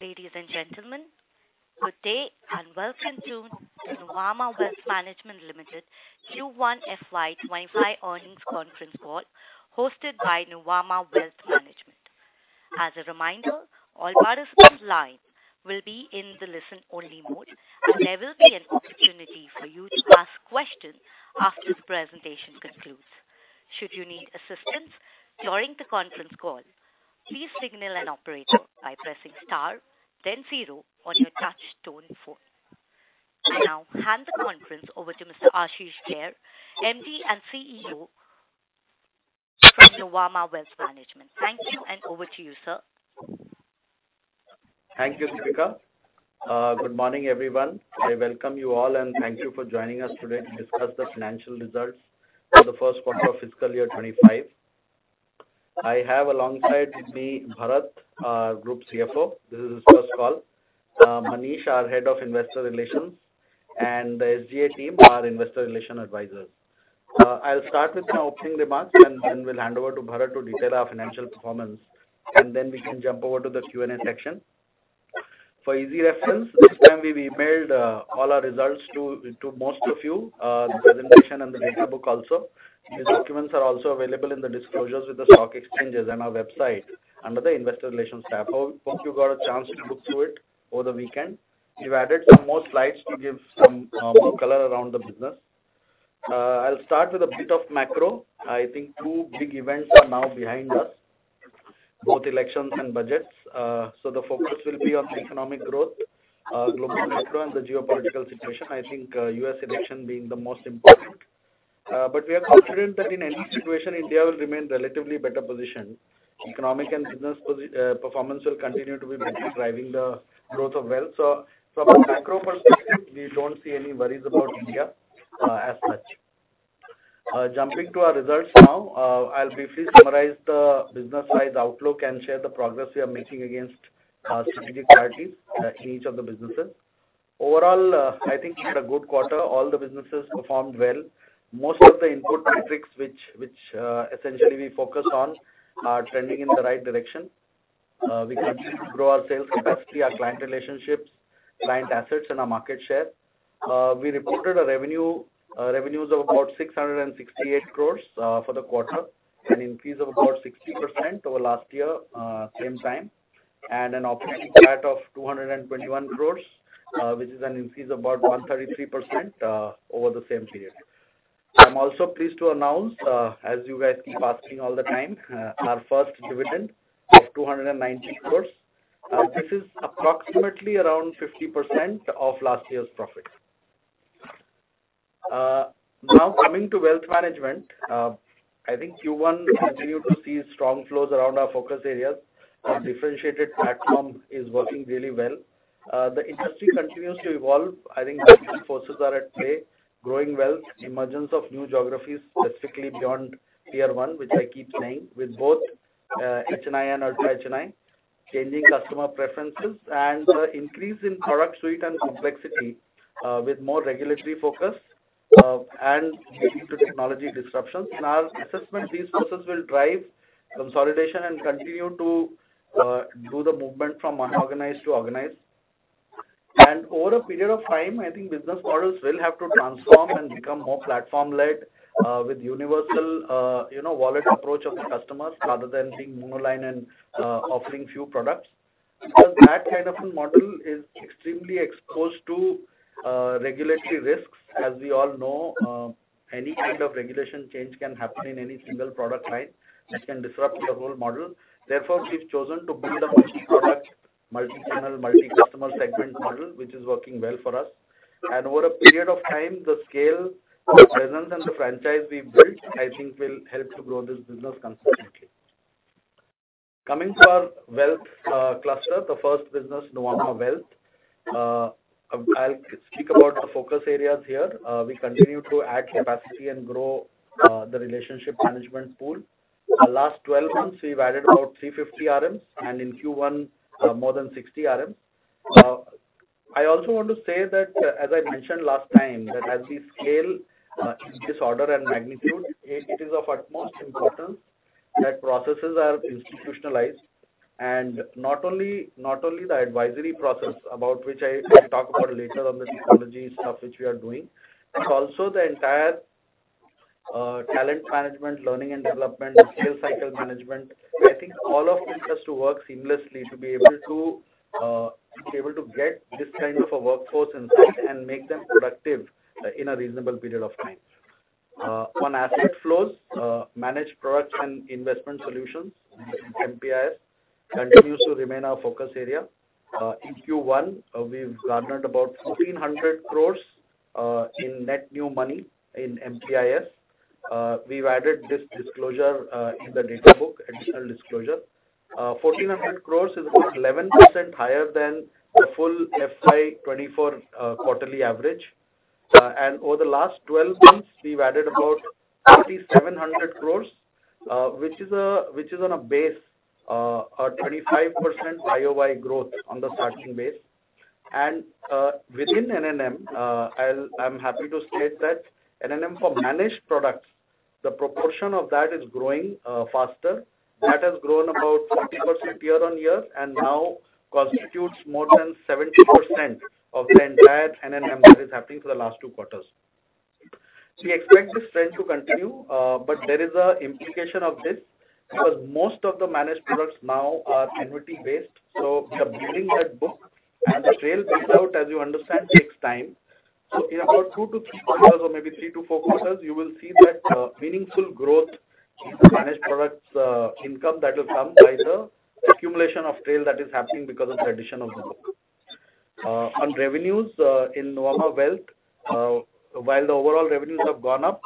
Ladies and gentlemen, good day, and welcome to Nuvama Wealth Management Limited Q1 FY 2025 earnings conference call, hosted by Nuvama Wealth Management. As a reminder, all participants live will be in the listen-only mode, and there will be an opportunity for you to ask questions after the presentation concludes. Should you need assistance during the conference call, please signal an operator by pressing star then zero on your touch tone phone. I now hand the conference over to Mr. Ashish Kehair, MD and CEO from Nuvama Wealth Management. Thank you, and over to you, sir. Thank you, Deepika. Good morning, everyone. I welcome you all, and thank you for joining us today to discuss the financial results for the first quarter of fiscal year 2025. I have alongside with me, Bharat, Group CFO. This is his first call. Manish, our Head of Investor Relations, and the SGA team, our investor relations advisors. I'll start with my opening remarks, and then we'll hand over to Bharat to detail our financial performance, and then we can jump over to the Q&A section. For easy reference, this time we've emailed all our results to most of you, the presentation and the data book also. These documents are also available in the disclosures with the stock exchanges and our website under the Investor Relations tab. Hope you got a chance to look through it over the weekend. We've added some more slides to give some more color around the business. I'll start with a bit of macro. I think two big events are now behind us, both elections and budgets. So the focus will be on economic growth, global macro, and the geopolitical situation, I think, U.S. election being the most important. But we are confident that in any situation, India will remain relatively better positioned. Economic and business performance will continue to be driving the growth of wealth. So from a macro perspective, we don't see any worries about India as much. Jumping to our results now, I'll briefly summarize the business-wide outlook and share the progress we are making against our strategic priorities in each of the businesses. Overall, I think we had a good quarter. All the businesses performed well. Most of the input metrics which essentially we focus on are trending in the right direction. We continue to grow our sales capacity, our client relationships, client assets, and our market share. We reported a revenue, revenues of about 668 crore for the quarter, an increase of about 60% over last year, same time, and an operating PAT of 221 crore, which is an increase of about 133% over the same period. I'm also pleased to announce, as you guys keep asking all the time, our first dividend of 290 crore. This is approximately around 50% of last year's profits. Now coming to wealth management, I think Q1, we continue to see strong flows around our focus areas. Our differentiated platform is working really well. The industry continues to evolve. I think forces are at play, growing wealth, emergence of new geographies, specifically beyond Tier 1, which I keep saying, with both HNI and UHNI, changing customer preferences and increase in product suite and complexity, with more regulatory focus, and leading to technology disruptions. In our assessment, these forces will drive consolidation and continue to do the movement from unorganized to organized. Over a period of time, I think business models will have to transform and become more platform-led, with universal, you know, wallet approach of the customers rather than being monoline and offering few products. Because that kind of a model is extremely exposed to regulatory risks. As we all know, any kind of regulation change can happen in any single product line, which can disrupt your whole model. Therefore, we've chosen to build a multi-product, multi-channel, multi-customer segment model, which is working well for us. Over a period of time, the scale, the presence, and the franchise we've built, I think will help to grow this business consistently. Coming to our wealth cluster, the first business, Nuvama Wealth. I'll speak about the focus areas here. We continue to add capacity and grow the relationship management pool. Last 12 months, we've added about 350 RMs, and in Q1, more than 60 RMs. I also want to say that, as I mentioned last time, that as we scale this order and magnitude, it is of utmost importance that processes are institutionalized. And not only, not only the advisory process, about which I will talk about later on the technology stuff which we are doing, but also the entire talent management, learning and development, and sales cycle management. I think all of this has to work seamlessly to be able to get this kind of a workforce insight and make them productive in a reasonable period of time. On asset flows, Managed Products and Investment Solutions, MPIS, continues to remain our focus area. In Q1, we've garnered about 1,400 crore in net new money in MPIS. We've added this disclosure in the data book, additional disclosure. 1,400 crore is about 11% higher than the full FY 2024 quarterly average. And over the last 12 months, we've added about 3,700 crore, which is on a base, a 25% YoY growth on the starting base. And within NNM, I'm happy to state that NNM for managed products, the proportion of that is growing faster. That has grown about 40% year-on-year, and now constitutes more than 70% of the entire NNM that is happening for the last 2 quarters. We expect this trend to continue, but there is an implication of this, because most of the managed products now are equity-based, so we are building that book, and the trail build out, as you understand, takes time. In about two-three quarters or maybe three-four quarters, you will see that meaningful growth in the managed products income that will come by the accumulation of trail that is happening because of the addition of them. On revenues in Nuvama Wealth, while the overall revenues have gone up,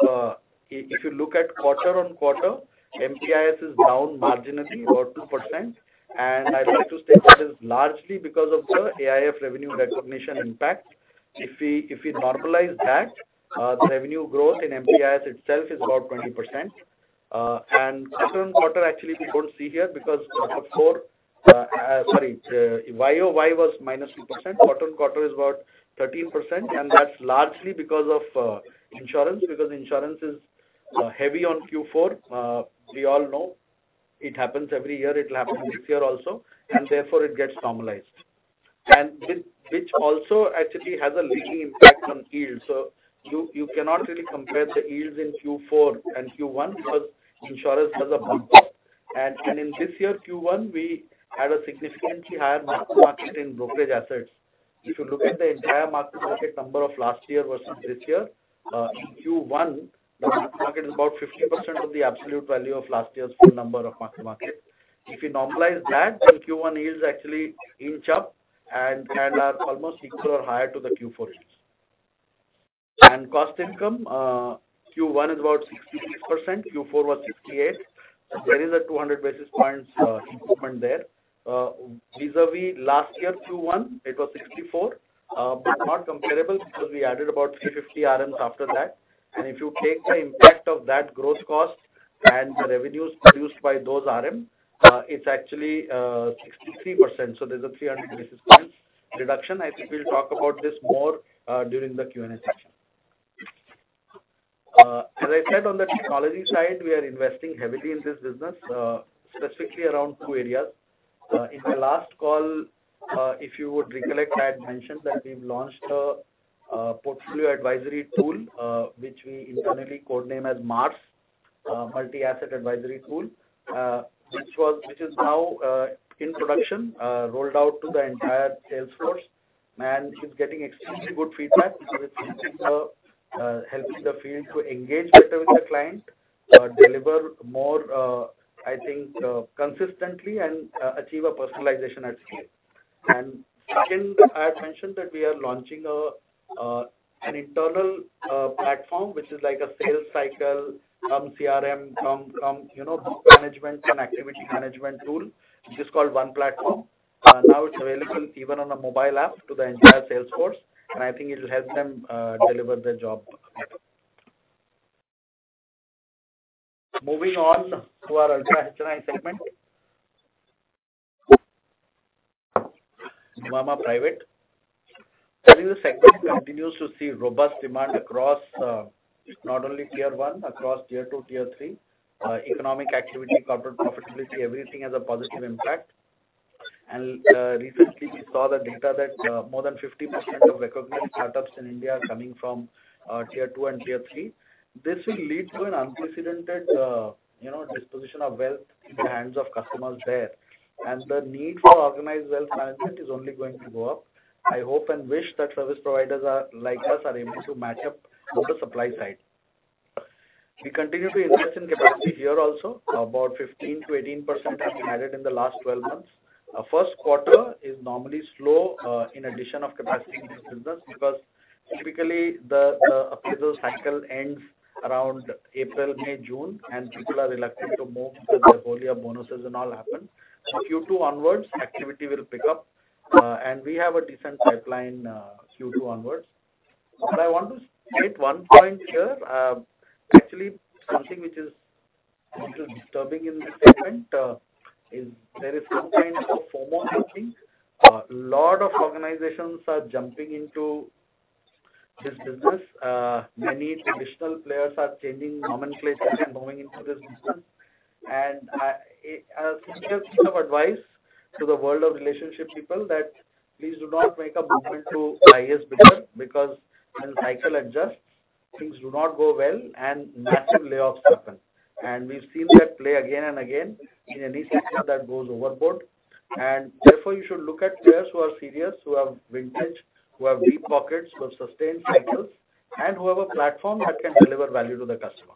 if you look at quarter-on-quarter, MPIS is down marginally, about 2%. And I'd like to state that is largely because of the AIF revenue recognition impact. If we normalize that, the revenue growth in MPIS itself is about 20%. And quarter-on-quarter, actually, we don't see here, because quarter four, sorry, YoY was -2%. Quarter-on-quarter is about 13%, and that's largely because of insurance. Because insurance is heavy on Q4. We all know it happens every year, it'll happen this year also, and therefore, it gets normalized. And which also actually has a leading impact on yields. So you cannot really compare the yields in Q4 and Q1 because insurance has a bump. And in this year, Q1, we had a significantly higher mark-to-market in brokerage assets. If you look at the entire mark-to-market number of last year versus this year, in Q1, the mark-to-market is about 50% of the absolute value of last year's full number of mark-to-market. If you normalize that, then Q1 is actually inch up and are almost equal or higher to the Q4 yields. And cost income, Q1 is about 66%, Q4 was 68. So there is a 200 basis points improvement there. Vis-à-vis last year, Q1, it was 64, but not comparable because we added about 350 RMs after that. And if you take the impact of that gross cost and the revenues produced by those RM, it's actually 63%, so there's a 300 basis points reduction. I think we'll talk about this more during the Q&A session. As I said, on the technology side, we are investing heavily in this business, specifically around two areas. In the last call, if you would recollect, I had mentioned that we've launched a portfolio advisory tool, which we internally codename as MAAS, Multi-Asset Advisory tool. which was-- which is now in production, rolled out to the entire sales force, and it's getting extremely good feedback because it's helping the field to engage better with the client, deliver more, I think, consistently and achieve a personalization at scale. And second, I had mentioned that we are launching an internal platform, which is like a sales cycle cum CRM cum, you know, book management and activity management tool, which is called One Platform. Now it's available even on a mobile app to the entire sales force, and I think it'll help them deliver their job. Moving on to our Ultra HNI segment. Nuvama Private. I think the segment continues to see robust demand across, not only Tier 1, across Tier 2, Tier 3. Economic activity, corporate profitability, everything has a positive impact. And, recently we saw the data that, more than 50% of recognized startups in India are coming from, Tier 2 and Tier 3. This will lead to an unprecedented, you know, disposition of wealth in the hands of customers there. And the need for organized wealth management is only going to go up. I hope and wish that service providers are, like us, are able to match up on the supply side. We continue to invest in capacity here also. About 15%-18% has been added in the last 12 months. Our first quarter is normally slow, in addition of capacity in this business, because typically the appraisal cycle ends around April, May, June, and people are reluctant to move because their bonuses and all happen. So Q2 onwards, activity will pick up, and we have a decent pipeline, Q2 onwards. But I want to state one point here. Actually, something which is a little disturbing in this segment, is there is some kind of FOMO happening. Lot of organizations are jumping into this business. Many traditional players are changing nomenclature and moving into this business. And I, a sincere piece of advice to the world of relationship people, that please do not make a movement to IB business, because when the cycle adjusts, things do not go well and massive layoffs happen. And we've seen that play again and again in any sector that goes overboard. Therefore, you should look at players who are serious, who have vintage, who have deep pockets, who have sustained cycles, and who have a platform that can deliver value to the customer.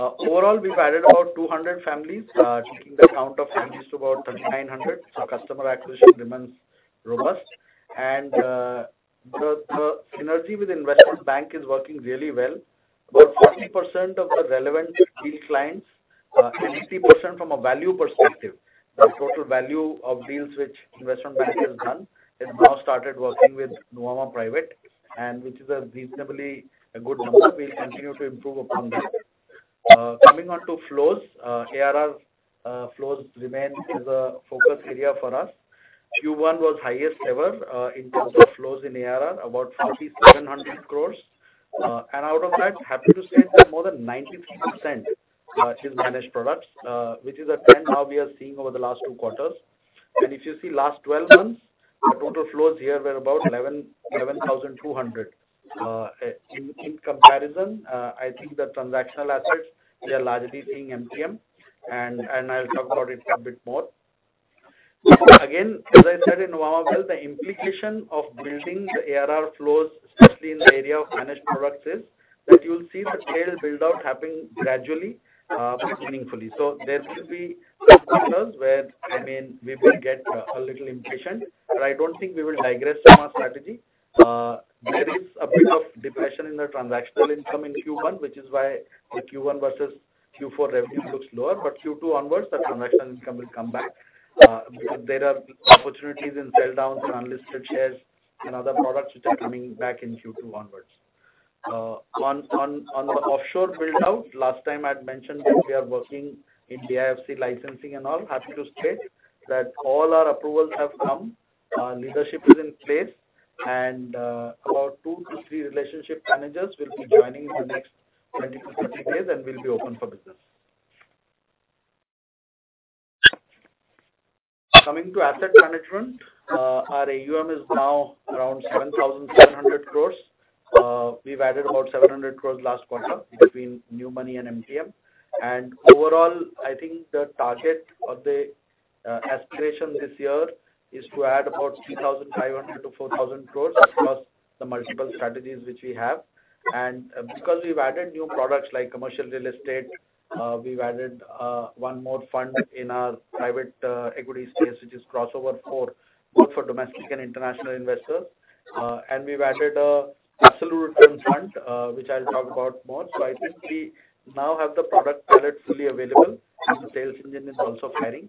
Overall, we've added about 200 families, taking the count of families to about 3,900. So customer acquisition remains robust. The synergy with investment bank is working really well. About 40% of the relevant deal clients, and 80% from a value perspective, the total value of deals which investment bank has done, has now started working with Nuvama Private, and which is a reasonably a good number. We'll continue to improve upon that. Coming on to flows, ARR, flows remain as a focus area for us. Q1 was highest ever, in terms of flows in ARR, about 4,700 crore. And out of that, happy to say that more than 93% is managed products, which is a trend now we are seeing over the last two quarters. And if you see last 12 months, the total flows here were about 11,200. In comparison, I think the transactional assets, they are largely seeing MTM, and I'll talk about it a bit more. Again, as I said in Nuvama Wealth, the implication of building the ARR flows, especially in the area of managed products, is that you'll see the trail build-out happen gradually, but meaningfully. So there will be some quarters where, I mean, we will get a little impatient, but I don't think we will digress from our strategy. There is a bit of depression in the transactional income in Q1, which is why the Q1 versus Q4 revenue looks lower. But Q2 onwards, the transaction income will come back, because there are opportunities in sell downs and unlisted shares and other products which are coming back in Q2 onwards. On the offshore build-out, last time I'd mentioned that we are working in DIFC licensing and all. Happy to state that all our approvals have come, our leadership is in place, and about two to three relationship managers will be joining in the next 20-30 days, and we'll be open for business. Coming to asset management, our AUM is now around 7,700 crore. We've added about 700 crore last quarter between new money and MTM. Overall, I think the target or the aspiration this year is to add about 3,500 crore-4,000 crore across the multiple strategies which we have. Because we've added new products like commercial real estate, we've added one more fund in our private equity space, which is Crossover IV, both for domestic and international investors. And we've added a Absolute Return Fund, which I'll talk about more. So I think we now have the product palette fully available, and the sales engine is also firing.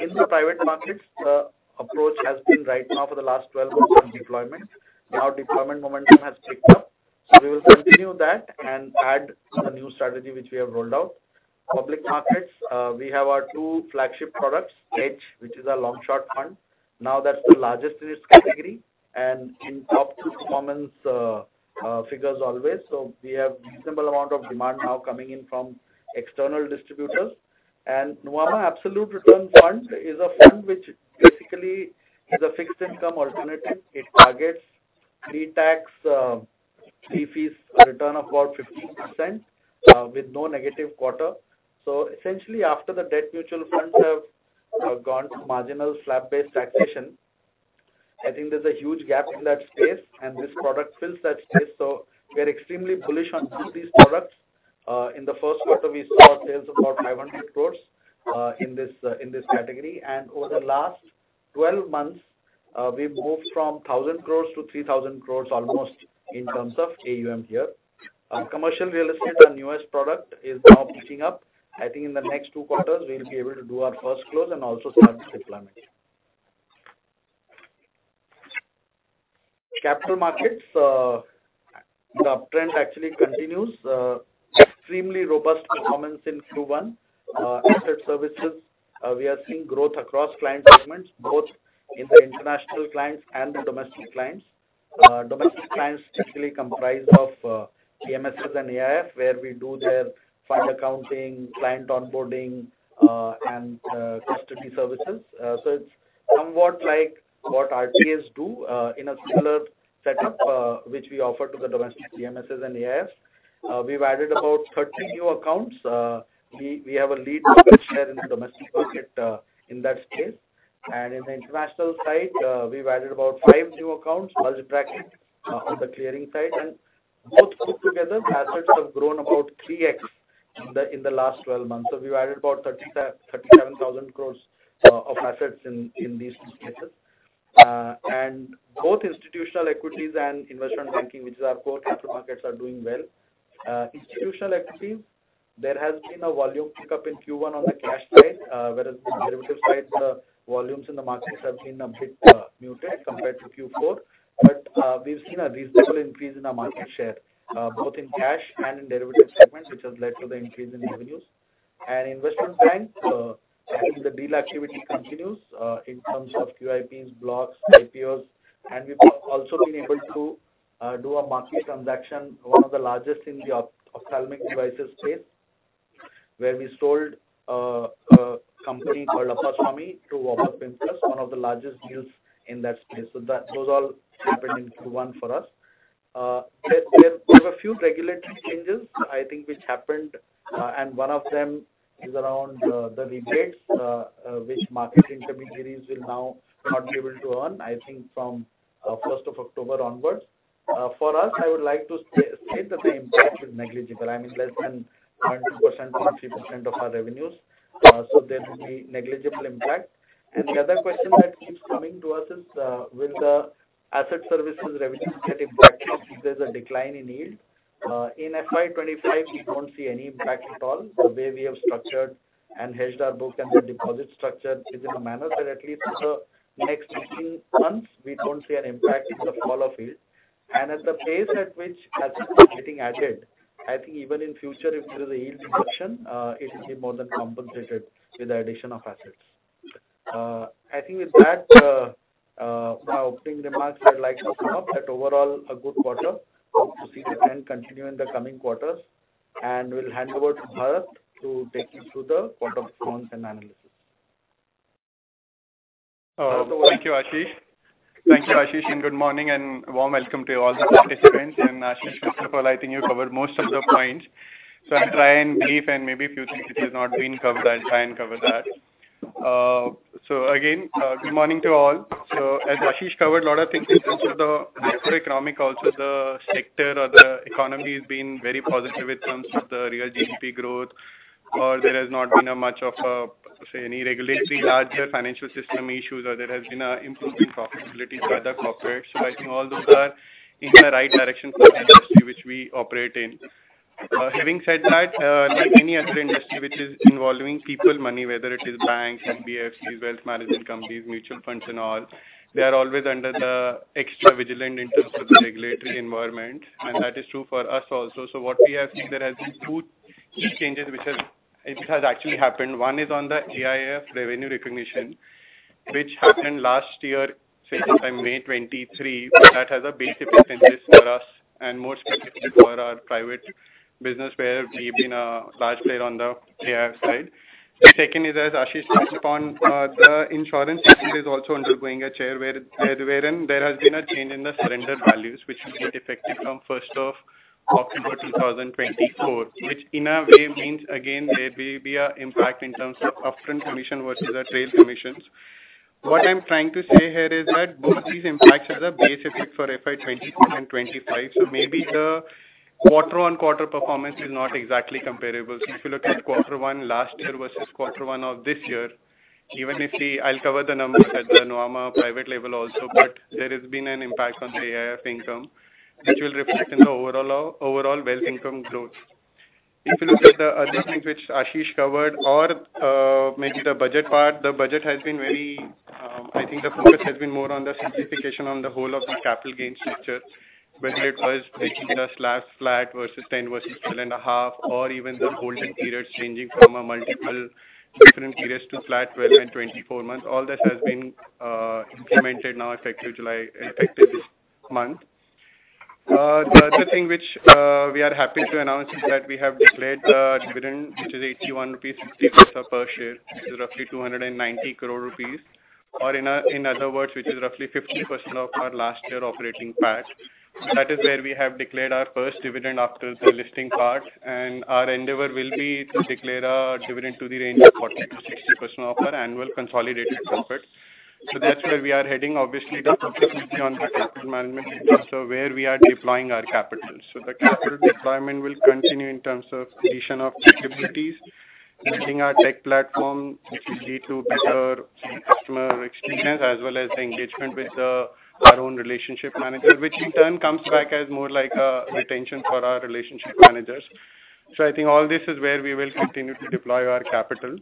In the private markets, the approach has been right now for the last 12 months, deployment. Now, deployment momentum has picked up, so we will continue that and add the new strategy which we have rolled out. Public markets, we have our two flagship products, Edge, which is our long-short fund. Now, that's the largest in its category and in top two performance figures always. So we have reasonable amount of demand now coming in from external distributors. And Nuvama Absolute Return Fund is a fund which basically is a fixed income alternative. It targets pre-tax, pre-fees return of about 15%, with no negative quarter. So essentially, after the debt mutual funds have gone to marginal slab-based taxation, I think there's a huge gap in that space, and this product fills that space. So we are extremely bullish on both these products. In the first quarter, we saw sales of about 500 crore in this category. And over the last 12 months, we've moved from 1,000 crore-3,000 crore almost in terms of AUM here. Commercial real estate, our newest product, is now picking up. I think in the next two quarters, we'll be able to do our first close and also start the deployment. Capital markets, the uptrend actually continues. Extremely robust performance in Q1. Asset services, we are seeing growth across client segments, both in the international clients and the domestic clients. Domestic clients typically comprise of PMSs and AIFs, where we do their fund accounting, client onboarding, and custody services. So it's somewhat like what RTAs do, in a similar setup, which we offer to the domestic PMSs and AIFs. We've added about 30 new accounts. We have a lead market share in the domestic market, in that space. And in the international side, we've added about five new accounts, multi-strat, on the clearing side. Both put together, the assets have grown about 3x in the last 12 months. We've added about 37,000 crore of assets in these two spaces. Both institutional equities and investment banking, which is our core capital markets, are doing well. Institutional equities, there has been a volume pickup in Q1 on the cash side, whereas the derivative side, the volumes in the markets have been a bit muted compared to Q4. But, we've seen a reasonable increase in our market share both in cash and in derivative segments, which has led to the increase in revenues. Investment bank, I think the deal activity continues, in terms of QIPs, blocks, IPOs, and we've also been able to do a market transaction, one of the largest in the ophthalmic devices space, where we sold a company called Appasamy to Warburg Pincus, one of the largest deals in that space. So that was all happened in Q1 for us. There were a few regulatory changes, I think, which happened, and one of them is around the rebates, which market intermediaries will now not be able to earn, I think, from October 1st onwards. For us, I would like to state that the impact is negligible, I mean, less than 0.2% or 0.3% of our revenues. So there will be negligible impact. And the other question that keeps coming to us is, will the asset services revenue get impacted if there's a decline in yield? In FY 2025, we don't see any impact at all. The way we have structured and hedged our book and the deposit structure is in a manner that at least for the next 18 months, we don't see an impact in the fall of yield and at the pace at which assets are getting added, I think even in future, if there is a yield reduction, it should be more than compensated with the addition of assets. I think with that, my opening remarks I'd like to come up, that overall, a good quarter. Hope to see it and continue in the coming quarters. And we'll hand over to Bharat to take you through the quarter performance and analysis. Thank you, Ashish. Thank you, Ashish, and good morning, and warm welcome to all the participants. And Ashish, first of all, I think you covered most of the points. So I'll try and brief and maybe a few things if it has not been covered, I'll try and cover that. So again, good morning to you all. So as Ashish covered a lot of things in terms of the macroeconomic, also the sector or the economy has been very positive in terms of the real GDP growth, or there has not been a much of a, say, any regulatory, larger financial system issues, or there has been a improving profitability by the corporates. So I think all those are in the right direction for the industry which we operate in. Having said that, like any other industry which is involving people's money, whether it is banks, NBFCs, wealth management companies, mutual funds and all, they are always under the extra vigilant in terms of the regulatory environment, and that is true for us also. So what we have seen, there have been two key changes which has actually happened. One is on the AIF revenue recognition, which happened last year, say sometime May 2023. That has a base effect in this for us, and more specifically for our private business, where we've been a large player on the AIF side. The second is, as Ashish touched upon, the insurance sector is also undergoing a change, wherein there has been a change in the surrender values, which has been effective from October 1st, 2024. Which in a way means, again, there may be an impact in terms of upfront commission versus the trail commissions. What I'm trying to say here is that both these impacts are the base effect for FY 2024 and 2025. So maybe the quarter-on-quarter performance is not exactly comparable. So if you look at quarter one last year versus quarter one of this year, even if the... I'll cover the numbers at the Nuvama private label also, but there has been an impact on the AIF income, which will reflect in the overall, overall wealth income growth. If you look at the other things which Ashish covered or, maybe the budget part, the budget has been very, I think the focus has been more on the simplification on the whole of the capital gains structure. Whether it was making the slabs flat versus 10% versus 12.5%, or even the holding periods changing from a multiple different periods to flat 12 and 24 months. All this has been implemented now, effective July-- effective this month. The other thing which we are happy to announce is that we have declared the dividend, which is 81.60 rupees per share, which is roughly 290 crore rupees, or in a, in other words, which is roughly 50% of our last year operating profit. That is where we have declared our first dividend after the listing, and our endeavor will be to declare a dividend in the range of 40%-60% of our annual consolidated profit. So that's where we are heading, obviously, the focus is on the capital management, and also where we are deploying our capital. So the capital deployment will continue in terms of deletion of liabilities, building our tech platform, which will lead to better customer experience, as well as the engagement with our own relationship managers. Which in turn comes back as more like a retention for our relationship managers. So I think all this is where we will continue to deploy our capital.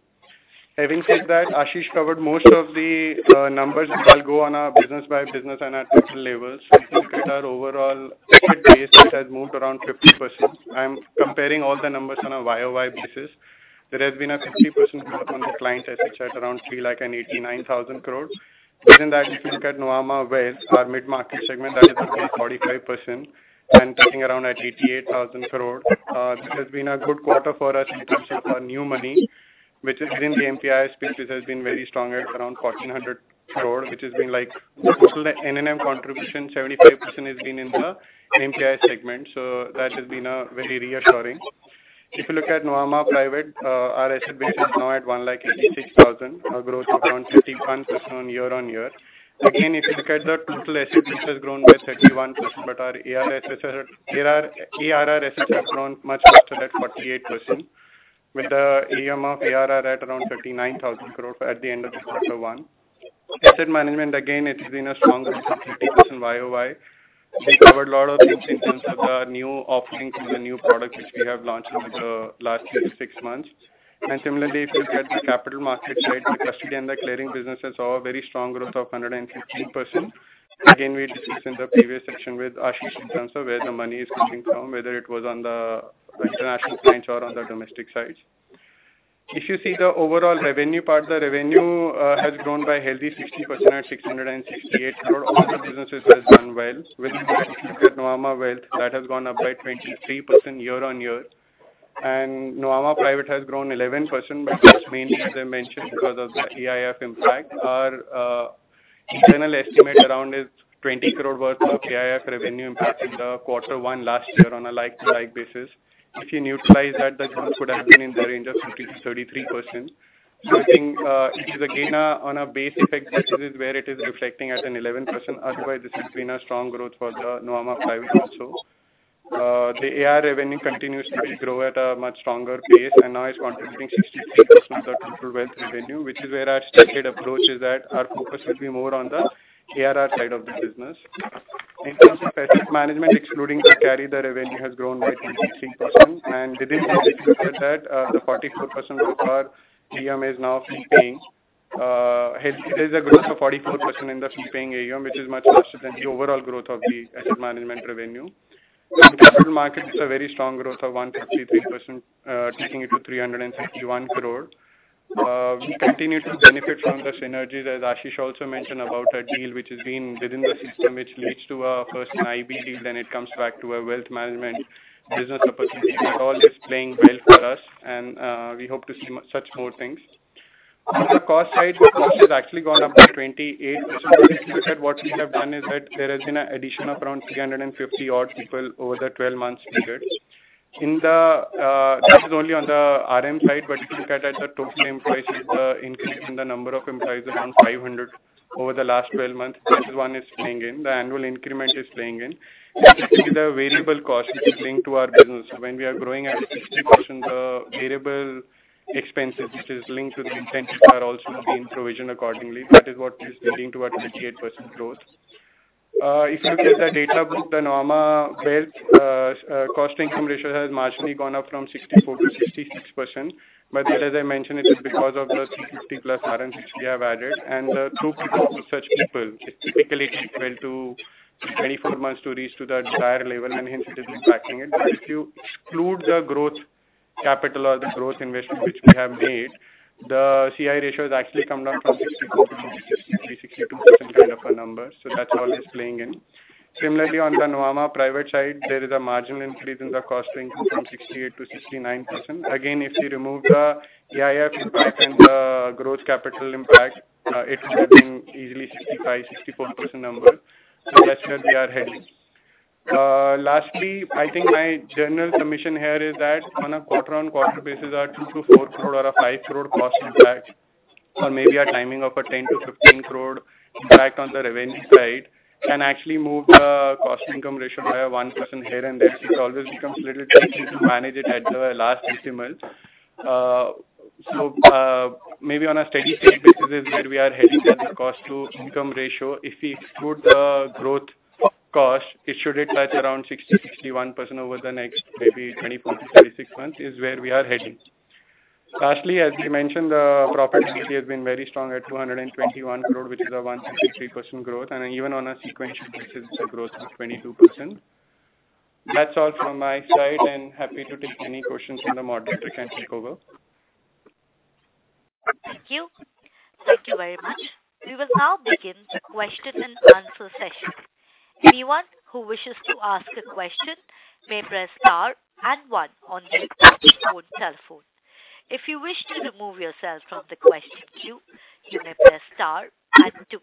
Having said that, Ashish covered most of the numbers. I'll go on our business by business and our total levels. If you look at our overall asset base, it has moved around 50%. I'm comparing all the numbers on a YoY basis. There has been a 50% growth on the client AUM, at around 389,000 crore. Within that, if you look at Nuvama Wealth, our mid-market segment, that is up by 45% and touching around at 88,000 crore. It has been a good quarter for us in terms of our new money, which is in the MPIS space, which has been very strong at around 1,400 crore, which has been, like, total the NNM contribution, 75% has been in the MPIS segment, so that has been very reassuring. If you look at Nuvama Private, our asset base is now at 1,86,000 crore, a growth of around 51% year-on-year. Again, if you look at the total assets, which has grown by 31%, but our ARR assets—ARR, ARR assets have grown much faster at 48%, with the AUM of ARR at around 39,000 crore at the end of the quarter one. Asset management, again, it has been a strong growth of 50% YoY. We covered a lot of things in terms of the new offerings and the new products which we have launched in the last maybe six months. And similarly, if you look at the capital market side, the custody and the clearing businesses saw a very strong growth of 115%. Again, we discussed in the previous section with Ashish in terms of where the money is coming from, whether it was on the international clients or on the domestic side. If you see the overall revenue part, the revenue has grown by a healthy 60% at 668 crore. All the businesses has done well, with Nuvama Wealth, that has gone up by 23% year-on-year. Nuvama Private has grown 11%, but that's mainly, as I mentioned, because of the AIF impact. Our internal estimate around is 20 crore worth of AIF revenue impact in quarter one last year on a like-to-like basis. If you neutralize that, the growth would have been in the range of 30%-33%. So I think, it is again on a base effect basis where it is reflecting at an 11%. Otherwise, this has been a strong growth for the Nuvama Private also. The ARR revenue continues to grow at a much stronger pace and now it's contributing 63% of the total wealth revenue, which is where our stated approach is that our focus will be more on the ARR side of the business. In terms of asset management, excluding the carry, the revenue has grown by 23%, and within that, the 44% of our AUM is now fee-paying. It is a growth of 44% in the fee-paying AUM, which is much faster than the overall growth of the asset management revenue. Capital markets is a very strong growth of 153%, taking it to 361 crore. We continue to benefit from the synergies, as Ashish also mentioned about our deal, which has been within the system, which leads to a first IB deal, then it comes back to a wealth management business opportunity. That all is playing well for us and we hope to see more such things. On the cost side, the cost has actually gone up by 28%. If you look at what we have done is that there has been an addition of around 350 odd people over the 12 months period. In the, that is only on the RM side, but if you look at it, the total employees is, increase in the number of employees around 500 over the last 12 months, which one is playing in, the annual increment is playing in. And this is the variable cost which is linked to our business. When we are growing at 60%, variable expenses, which is linked to the incentives, are also being provisioned accordingly. That is what is leading to a 28% growth. If you look at the data book, the Nuvama Wealth, cost-income ratio has marginally gone up from 64% to 66%. But as I mentioned, it is because of the 350+ RMs which we have added. And the throughput of such people, it typically takes 12 to 24 months to reach to the desired level, and hence it is impacting it. But if you exclude the growth capital or the growth investment which we have made, the CI ratio has actually come down from 60% to 62% kind of a number, so that's always playing in. Similarly, on the Nuvama Private side, there is a marginal increase in the cost-income from 68%-69%. Again, if you remove the AIF impact and the growth capital impact, it should be easily 64%-65% number. So that's where we are heading. Lastly, I think my general commission here is that on a quarter-on-quarter basis, our 2 crore-4 crore or a 5 crore cost impact, or maybe a timing of a 10 crore-15 crore impact on the revenue side, can actually move the cost-income ratio by 1% here and there. It always becomes little tricky to manage it at the last decimal. So, maybe on a steady-state basis is where we are heading as the cost-to-income ratio. If we exclude the growth cost, it should be at around 60%-61% over the next maybe 24-26 months, is where we are heading. Lastly, as we mentioned, the profit has been very strong at 221 crore, which is a 163% growth. And even on a sequential basis, it's a growth of 22%. That's all from my side, and happy to take any questions from the moderator. You can take over. Thank you. Thank you very much. We will now begin the question and answer session. Anyone who wishes to ask a question may press star and one on your phone, telephone. If you wish to remove yourself from the question queue, you may press star and two.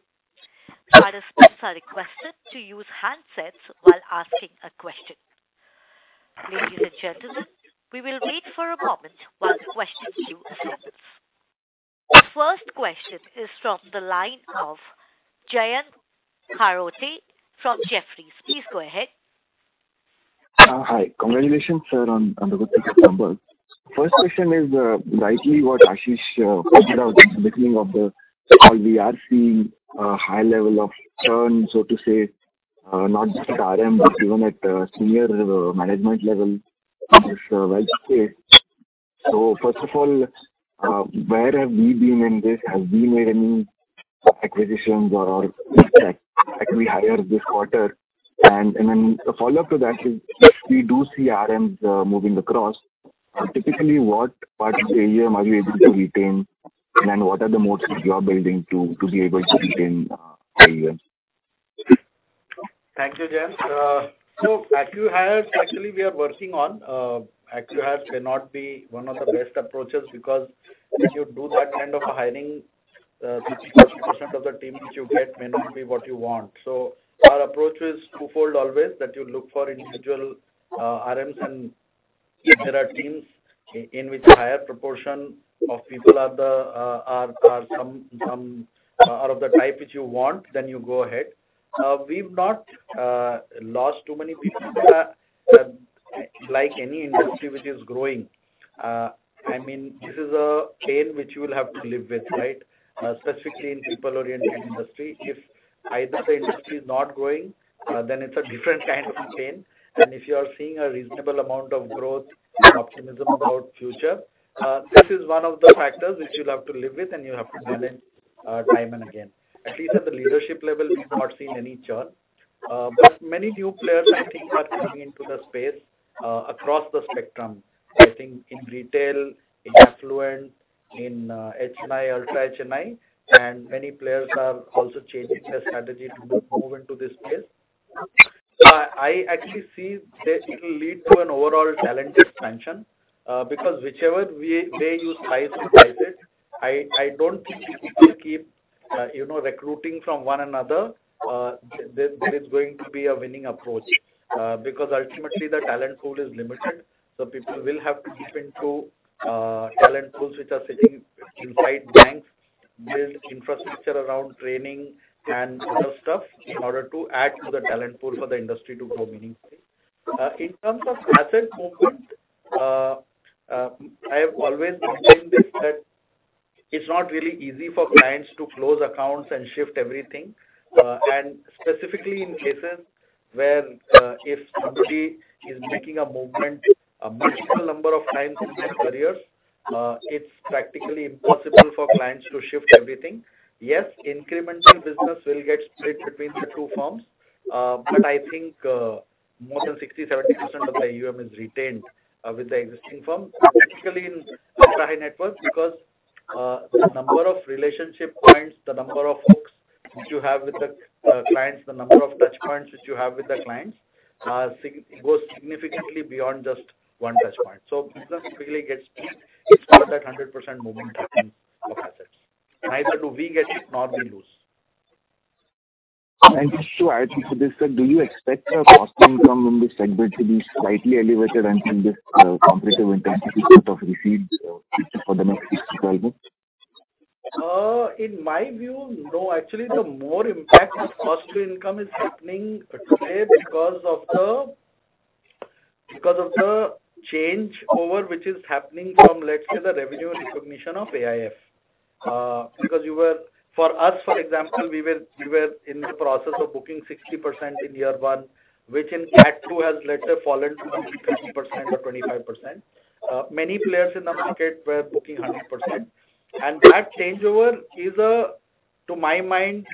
Participants are requested to use handsets while asking a question. Ladies and gentlemen, we will wait for a moment while the question queue assembles. The first question is from the line of Jayant Kharote from Jefferies. Please go ahead. Hi. Congratulations, sir, on the good set of numbers. First question is, rightly, what Ashish pointed out at the beginning of the call. We are seeing a high level of churn, so to say, not just at RM, but even at senior management level in this space. So first of all, where have we been in this? Have we made any acquisitions or actually hire this quarter? And then a follow-up to that is, if we do see RMs moving across, typically, what parts of the AUM are you able to retain? And then what are the moats you're building to be able to retain AUM? Thank you, Jayant. So acqui-hires, actually, we are working on. Acqui-hires may not be one of the best approaches because if you do that kind of a hiring, 50% of the team which you get may not be what you want. So our approach is twofold always, that you look for individual RMs, and if there are teams in which higher proportion of people are the are some are of the type which you want, then you go ahead. We've not lost too many people. Like any industry which is growing, I mean, this is a pain which you will have to live with, right? Specifically in people-oriented industry. If either the industry is not growing, then it's a different kind of a pain. And if you are seeing a reasonable amount of growth and optimism about future, this is one of the factors which you'll have to live with and you have to manage, time and again. At least at the leadership level, we've not seen any churn. But many new players, I think, are coming into the space, across the spectrum. I think in retail, in affluent, in, HNI, ultra HNI, and many players are also changing their strategy to move into this space. I actually see that it will lead to an overall talent expansion, because whichever way they you slice it, I, I don't think people keep, you know, recruiting from one another, then, that is going to be a winning approach, because ultimately the talent pool is limited. So people will have to dip into talent pools which are sitting inside banks, build infrastructure around training and other stuff, in order to add to the talent pool for the industry to grow meaningfully. In terms of asset movement, I have always maintained this, that it's not really easy for clients to close accounts and shift everything. And specifically in cases where if somebody is making a movement a multiple number of times in his career, it's practically impossible for clients to shift everything. Yes, incremental business will get split between the two firms. But I think more than 60%-70% of the AUM is retained with the existing firm, especially in ultra high net worth. Because the number of relationship points, the number of folks which you have with the clients, the number of touch points which you have with the clients, goes significantly beyond just one touch point. So business typically gets split. It's not that 100% movement happening of assets. Neither do we get it, nor we lose. Just to add to this, sir, do you expect your cost income in this segment to be slightly elevated until this competitive intensity sort of recedes for the next 6-12 months? In my view, no. Actually, the more impact of cost to income is happening today because of the changeover, which is happening from, let's say, the revenue recognition of AIF. Because you were-- for us, for example, we were in the process of booking 60% in year one, which in act two has later fallen to only 20% or 25%. Many players in the market were booking 100%. And that changeover is, to my mind,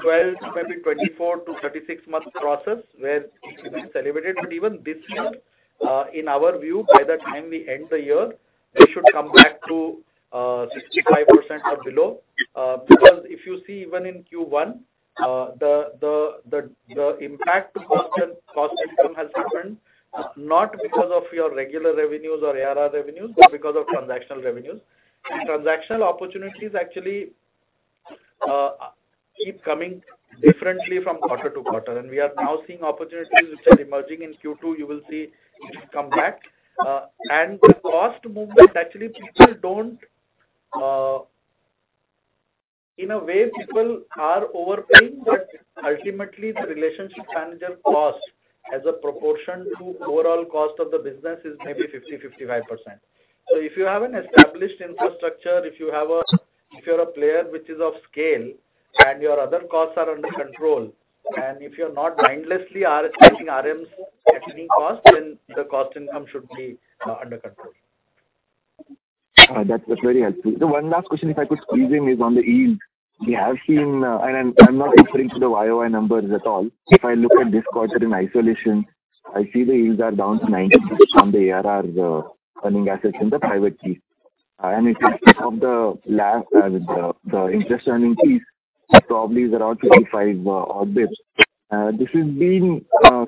12-, maybe 24- to 36-month process, where it will be celebrated. But even this year, in our view, by the time we end the year, it should come back to 65% or below. Because if you see even in Q1, the impact to cost, cost to income has happened not because of your regular revenues or ARR revenues, but because of transactional revenues. And transactional opportunities actually keep coming differently from quarter-to-quarter. And we are now seeing opportunities which are emerging in Q2. You will see it come back. And the cost movement, actually, people don't... In a way, people are overpaying, but ultimately the relationship manager cost as a proportion to overall cost of the business is maybe 50%-55%. So if you have an established infrastructure, if you have—if you're a player which is of scale and your other costs are under control, and if you're not mindlessly adding RMs at any cost, then the cost income should be under control. That's, that's very helpful. The one last question, if I could squeeze in, is on the yield. We have seen, and I'm, I'm not referring to the YoY numbers at all. If I look at this quarter in isolation, I see the yields are down to 90 basis points on the ARR, earning assets in the private key. And if you of the last, the interest earning fees probably is around 35-odd basis points. This has been,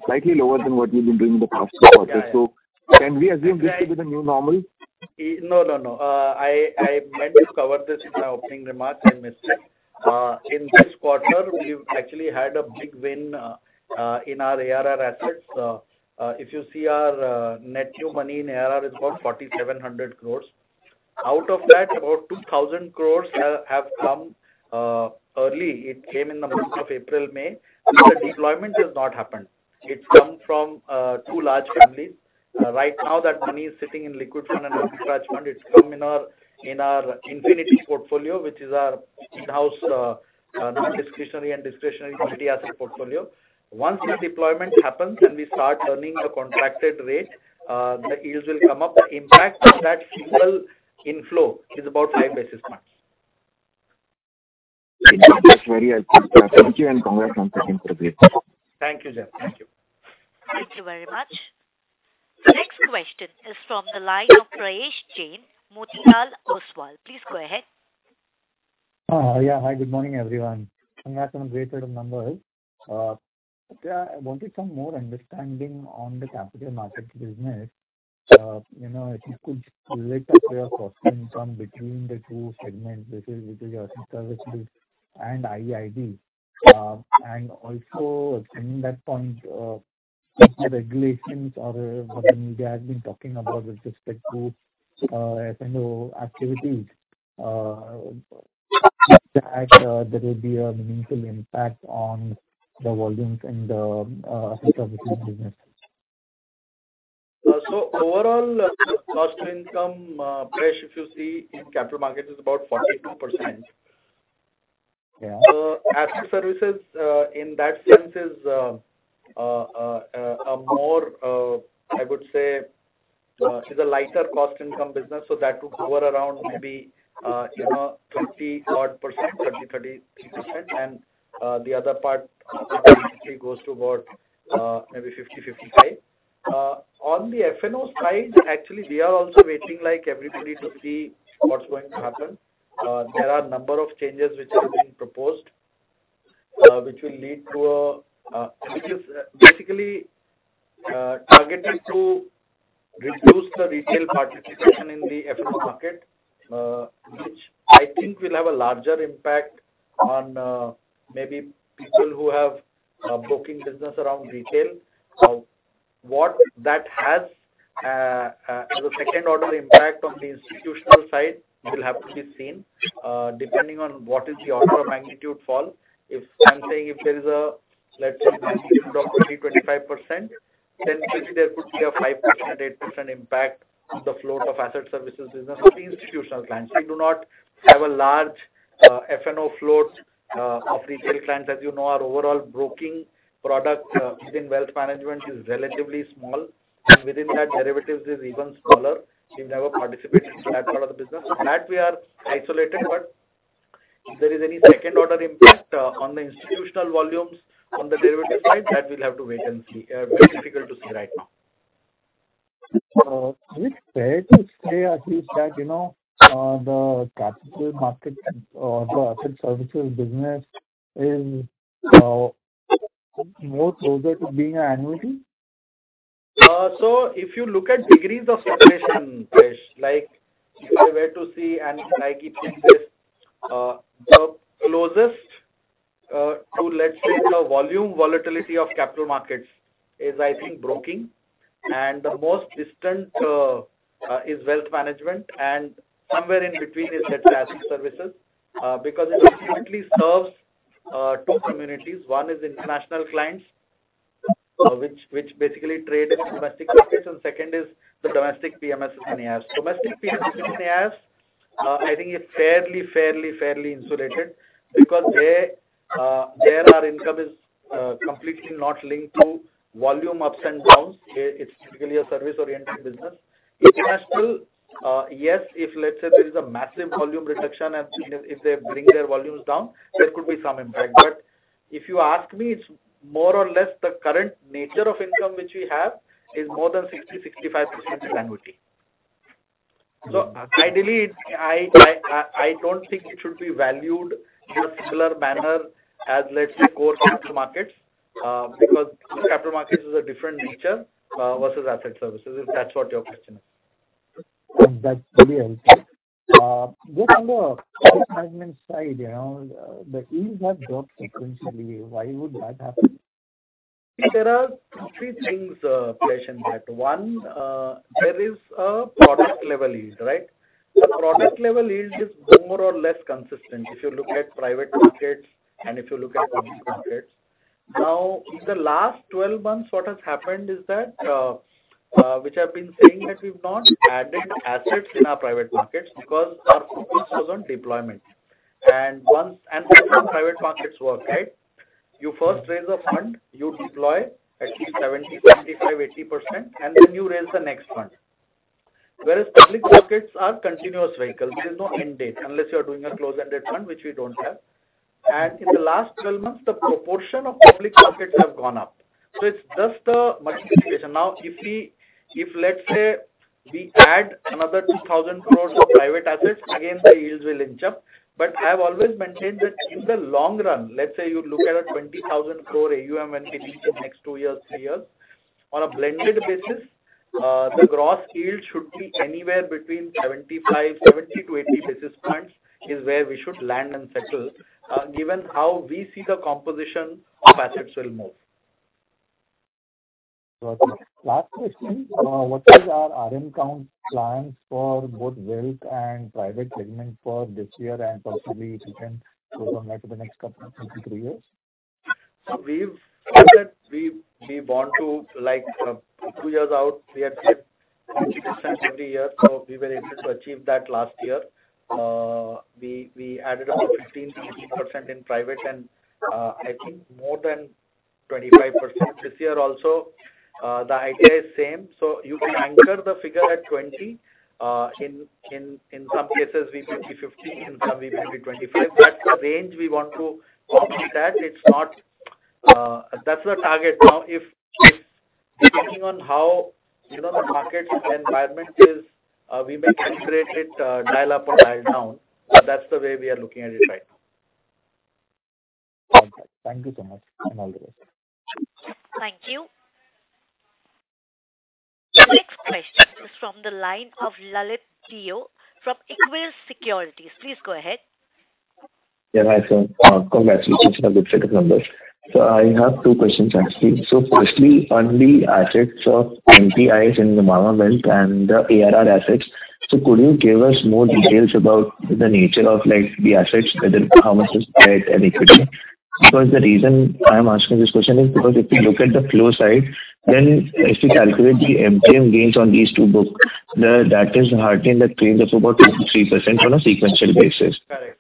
slightly lower than what you've been doing in the past quarter. So can we assume this to be the new normal? No, no, no. I, I meant to cover this in my opening remarks. I missed it. In this quarter, we've actually had a big win in our ARR assets. If you see our net new money in ARR is about 4,700 crore. Out of that, about 2,000 crore have come early. It came in the months of April, May. The deployment has not happened. It's come from two large families. Right now, that money is sitting in liquid fund and arbitrage fund. It's come in our Infinity Portfolio, which is our in-house non-discretionary and discretionary multi-asset portfolio. Once the deployment happens and we start earning the contracted rate, the yields will come up. The impact of that full inflow is about 5 basis points. That's very helpful. Thank you and congrats on quarter. Thank you, Jayant. Thank you. Thank you very much. Next question is from the line of Prayesh Jain, Motilal Oswal. Please go ahead. Yeah. Hi, good morning, everyone. Congrats on a great set of numbers. I wanted some more understanding on the Capital Markets business. You know, if you could relate the cost income between the two segments, which is, which is your Asset Services and IB. And also from that point, regulations or what the media has been talking about with respect to, F&O activities, that, there will be a meaningful impact on the volumes and, Asset Services business. So overall, cost-to-income ratio, if you see in Capital Markets, is about 42%. Yeah. Asset Services, in that sense, is a more, I would say, is a lighter cost-income business. So that would hover around maybe, you know, 20-odd%, 20%-30%. And, the other part obviously goes to about, maybe 50%-55%. On the F&O side, actually, we are also waiting, like everybody, to see what's going to happen. There are a number of changes which are being proposed, which will lead to a, which is basically, targeted to reduce the retail participation in the F&O market. Which I think will have a larger impact on, maybe people who have, broking business around retail. What that has, the second order impact on the institutional side will have to be seen, depending on what is the order of magnitude fall. If I'm saying if there is a, let's say, drop to 25%, then there could be a 5%-8% impact on the float of asset services business of the institutional clients. We do not have a F&O flows, of retail clients, as you know, our overall broking product, within wealth management is relatively small, and within that, derivatives is even smaller. We never participate in that part of the business. So that we are isolated, but if there is any second order impact, on the institutional volumes on the derivative side, that we'll have to wait and see. Very difficult to see right now. Is it fair to say, at least, that, you know, the Capital Markets or the Asset Services business is more closer to being an annuity? So if you look at degrees of fluctuation, Prayesh, like if I were to see and like it in this, the closest to, let's say, the volume volatility of capital markets is, I think, broking, and the most distant is wealth management, and somewhere in between is the asset services. Because it essentially serves two communities. One is international clients, which, which basically trade in domestic markets, and second is the domestic PMS and AIFs. Domestic PMS and AIFs, I think, is fairly, fairly, fairly insulated because they, there our income is, completely not linked to volume ups and downs. It, it's typically a service-oriented business. International, yes, if, let's say, there is a massive volume reduction and if they bring their volumes down, there could be some impact. But if you ask me, it's more or less the current nature of income which we have is more than 60%-65% is annuity. So ideally, I don't think it should be valued in a similar manner as, let's say, core Capital Markets, because Capital Markets is a different nature versus Asset Services, if that's what your question is. That's very helpful. Just on the management side, you know, the yields have dropped sequentially. Why would that happen? There are three things, Prayesh, in that. One, there is a product level yield, right? The product level yield is more or less consistent if you look at private markets and if you look at public markets. Now, in the last 12 months, what has happened is that, which I've been saying, that we've not added assets in our private markets because our focus was on deployment. And once... And that's how private markets work, right? You first raise a fund, you deploy at least 70%-80%, and then you raise the next fund. Whereas public markets are continuous vehicle. There is no end date, unless you are doing a closed-ended fund, which we don't have. And in the last 12 months, the proportion of public markets have gone up, so it's just the multiplication. Now, if, let's say, we add another 2,000 crore of private assets, again, the yields will inch up. But I have always maintained that in the long run, let's say you look at a 20,000 crore AUM when we reach the next two years, three years, on a blended basis, the gross yield should be anywhere between 75, 70 to 80 basis points, is where we should land and settle, given how we see the composition of assets will move. Got it. Last question. What is our account plans for both wealth and private segment for this year, and possibly, if you can go from there to the next couple of two, three years? So we've said that we want to, like, two years out, achieve 20% every year, so we were able to achieve that last year. We added about 15%-16% in private and I think more than 25%. This year also, the idea is same. So you can anchor the figure at 20%. In some cases, we may be 15%, in some we may be 25%. That's the range we want to occupy that. It's not... That's the target. Now, if depending on how, you know, the market environment is, we may calibrate it, dial up or dial down. But that's the way we are looking at it right now. Thank you so much, and all the best. Thank you. The next question is from the line of Lalit Deo from Equirus Securities. Please go ahead. Yeah, hi, sir. Congratulations on a good set of numbers. So I have two questions, actually. So firstly, on the assets of MPIS in the Nuvama Wealth and the ARR assets, so could you give us more details about the nature of, like, the assets, whether how much is debt and equity? Because the reason I am asking this question is because if you look at the flow side, then if you calculate the MTM gains on these two books, the, that is higher than the gains of about 53% on a sequential basis. Correct.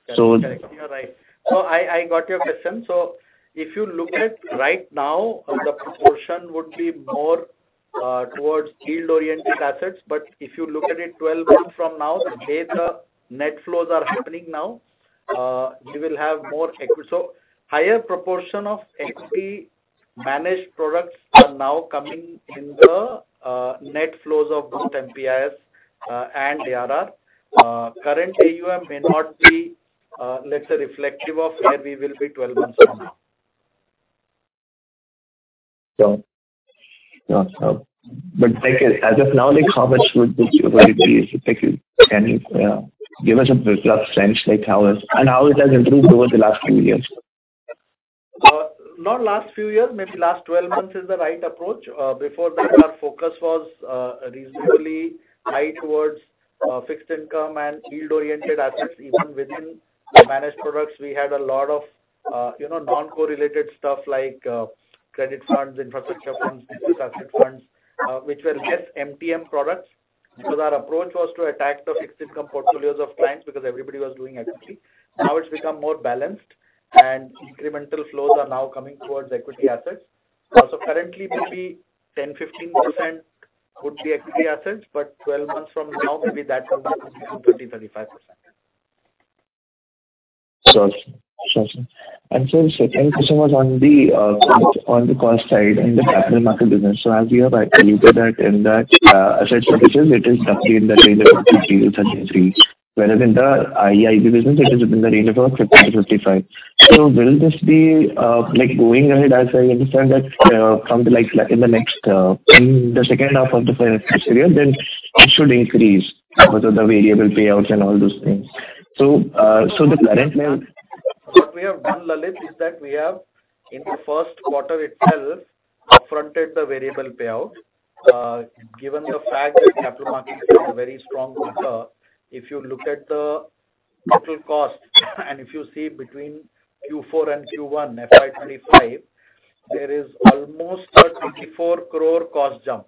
You're right. So I got your question. So if you look at right now, the proportion would be more towards yield-oriented assets. But if you look at it 12 months from now, the way the net flows are happening now, you will have more equity. So higher proportion of equity managed products are now coming in the net flows of both MPIS and ARR. Current AUM may not be, let's say, reflective of where we will be 12 months from now. But, like, as of now, like, how much would this really be? Like, you, can you, give us a broad sense, like, how is and how it has improved over the last few years? Not last few years, maybe last 12 months is the right approach. Before that, our focus was, reasonably high towards, fixed income and yield-oriented assets. Even within the managed products, we had a lot of, you know, non-correlated stuff like, credit funds, infrastructure funds, asset funds, which were less MTM products. Because our approach was to attack the fixed income portfolios of clients, because everybody was doing equity. Now it's become more balanced, and incremental flows are now coming towards equity assets. So currently, maybe 10%-15% would be equity assets, but 12 months from now, maybe that will be 30%-35%. Sure, sure, sir. Second question was on the cost side in the Capital Markets business. So as you have calculated that in that Asset Services, it is roughly in the range of 30%-33%. Whereas in the IB business, it is in the range of 50%-55%. So will this be, like, going ahead, as I understand that something like in the next, in the second half of the financial year, then it should increase because of the variable payouts and all those things. So, so the current level? What we have done, Lalit, is that we have, in the first quarter itself, up-fronted the variable payout. Given the fact that Capital Markets is a very strong booker, if you look at the total cost, and if you see between Q4 and Q1, FY 2025, there is almost a 24 crore cost jump,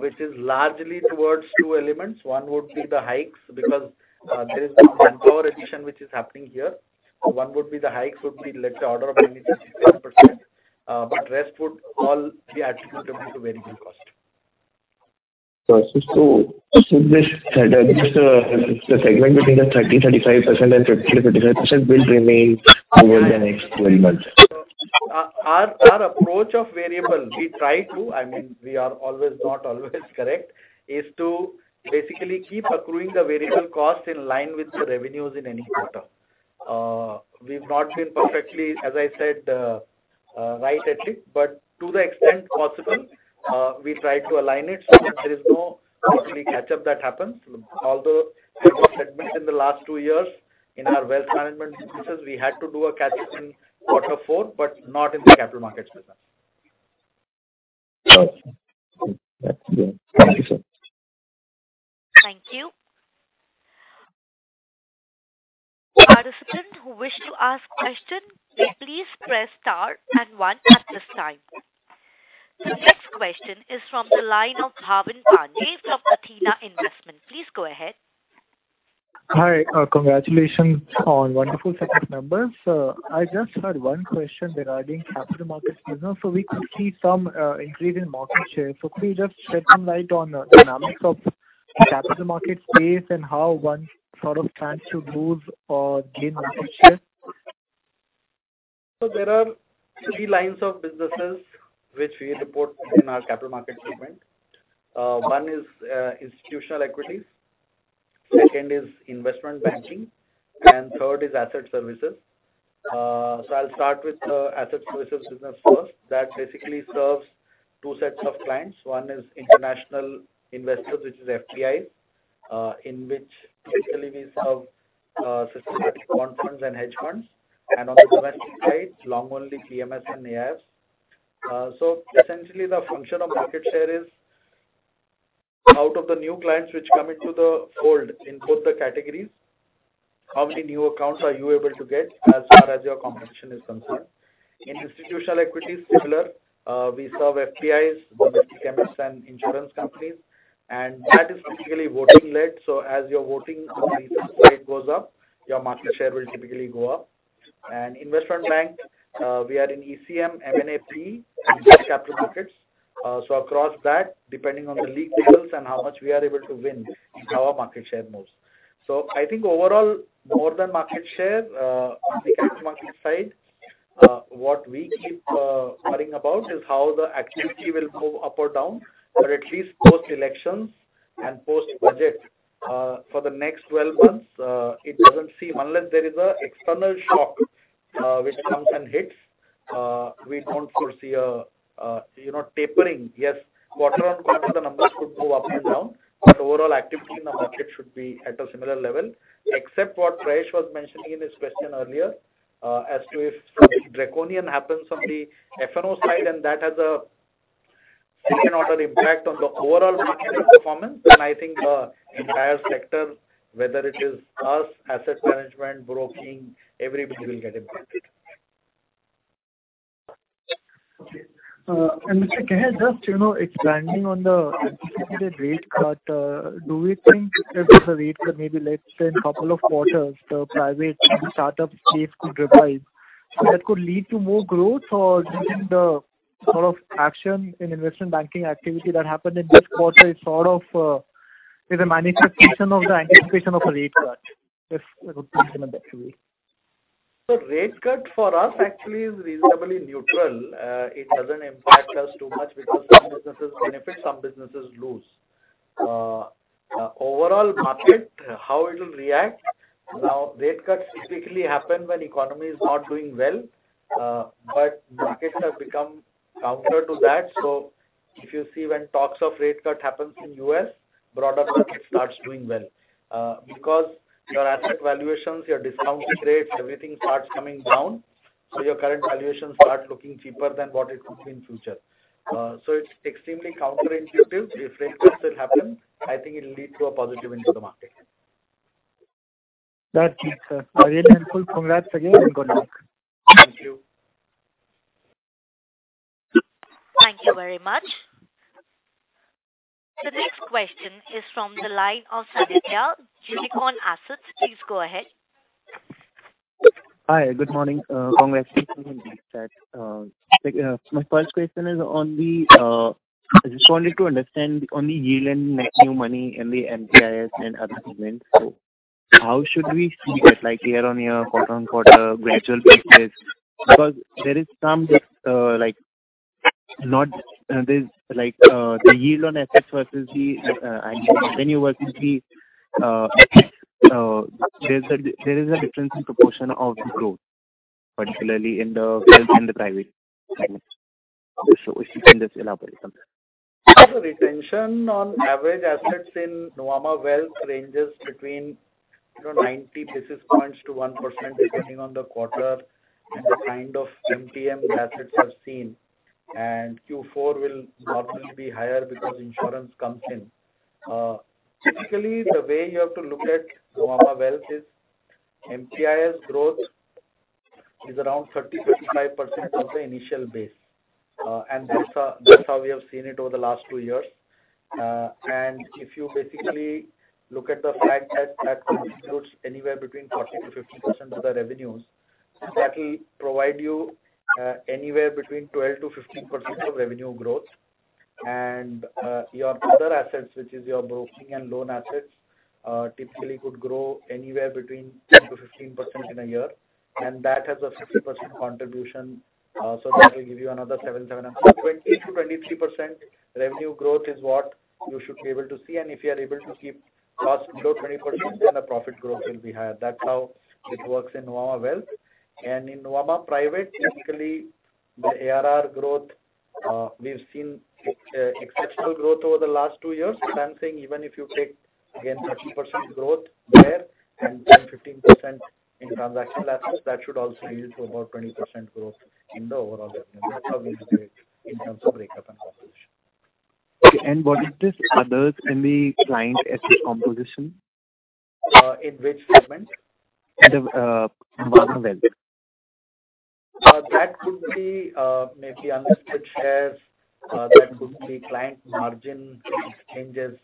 which is largely towards two elements. One would be the hikes, because, there is the manpower addition which is happening here. One would be the hikes would be, let's say, order of maybe 35%, but rest would all be attributable to variable cost. So, the segment between the 30%-35% and 50%-55% will remain over the next twelve months? Our approach of variable, we try to, I mean, we are always, not always correct, is to basically keep accruing the variable costs in line with the revenues in any quarter. We've not been perfectly, as I said, right at it, but to the extent possible, we try to align it so that there is no weekly catch-up that happens. Although, segments in the last two years in our wealth management businesses, we had to do a catch-up in quarter four, but not in the capital markets business. Okay. Thank you. Thank you. Participants who wish to ask question, please press star and one at this time. The next question is from the line of Bhavin Pande from Athena Investments. Please go ahead. Hi. Congratulations on wonderful set of numbers. I just had one question regarding Capital Markets business. So we could see some increase in market share. So could you just shed some light on the dynamics of the Capital Markets space and how one sort of plans to move or gain market share? There are three lines of business which we report in our Capital Markets segment. One is institutional equities, second is investment banking, and third is Asset Services. I'll start with the Asset Services business first. That basically serves two sets of clients. One is international investors, which is FII, in which usually we serve systematic bond funds and hedge funds, and on the domestic side, long only PMS and AIFs. Essentially, the function of market share is out of the new clients which come into the fold in both the categories, how many new accounts are you able to get as far as your competition is concerned? In institutional equities, similarly, we serve FIIs, domestic MFs and insurance companies, and that is typically volume-led. So as your volume on the side goes up, your market share will typically go up. And investment bank, we are in ECM, M&A, ECM capital markets. So across that, depending on the league tables and how much we are able to win is how our market share moves. So I think overall, more than market share, on the capital market side, what we keep worrying about is how the activity will move up or down. But at least post-elections and post-budget, for the next 12 months, it doesn't seem... Unless there is an external shock, which comes and hits, we don't foresee a, you know, tapering. Yes, quarter-on-quarter, the numbers could move up and down, but overall activity in the market should be at a similar level, except what Prayesh was mentioning in his question earlier, as to if something draconian happens on the F&O side, and that has a second order impact on the overall market performance, then I think, entire sector, whether it is us, asset management, broking, everybody will get impacted. Okay. And Mr. Can I just, you know, it's landing on the anticipated rate cut, do we think that there's a rate that maybe, let's say, in a couple of quarters, the private startup space could revive, that could lead to more growth? Or do you think the sort of action in investment banking activity that happened in this quarter is sort of is a manifestation of the anticipation of a rate cut, if we put it in better way? So rate cut for us actually is reasonably neutral. It doesn't impact us too much because some businesses benefit, some businesses lose. Overall market, how it will react? Now, rate cuts typically happen when economy is not doing well, but markets have become counter to that. So if you see when talks of rate cut happens in U.S., broader market starts doing well, because your asset valuations, your discount rates, everything starts coming down, so your current valuations start looking cheaper than what it could be in future. So it's extremely counterintuitive. If rate cuts will happen, I think it'll lead to a positive into the market. That's it, sir. Very helpful. Congrats again and good luck. Thank you. Thank you very much. The next question is from the line of Sanidhya, Unicorn Asset. Please go ahead. Hi, good morning, congratulations. My first question is on the, I just wanted to understand on the yield and net new money in the MPIS and other segments. So how should we see it, like year-on-year, quarter-on-quarter, gradual basis? Because there is some, like, not—there's like, the yield on assets versus the, revenue versus the, there's a, there is a difference in proportion of growth, particularly in the wealth and the private. So if you can just elaborate on that. The retention on average assets in Nuvama Wealth ranges between, you know, 90 basis points to 1% depending on the quarter and the kind of MTM assets we've seen. Q4 will normally be higher because insurance comes in. Typically, the way you have to look at Nuvama Wealth is MPIS growth is around 30%-35% of the initial base. And that's how we have seen it over the last two years. And if you basically look at the fact that that constitutes anywhere between 40%-50% of the revenues, that will provide you anywhere between 12%-15% of revenue growth. Your other assets, which is your broking and loan assets, typically could grow anywhere between 10%-15% in a year, and that has a 50% contribution. So that will give you another 7, 7.5. 20%-23% revenue growth is what you should be able to see, and if you are able to keep costs below 20%, then the profit growth will be higher. That's how it works in Nuvama Wealth. And in Nuvama Private, typically, the ARR growth, we've seen, exceptional growth over the last two years. So I'm saying even if you take, again, 30% growth there and, and 15% in transactional assets, that should also lead to about 20% growth in the overall business. That's how we see it in terms of breakup and composition. What is this others in the client asset composition? In which segment? The Nuvama Wealth. That could be, maybe unlisted shares, that could be client margin changes.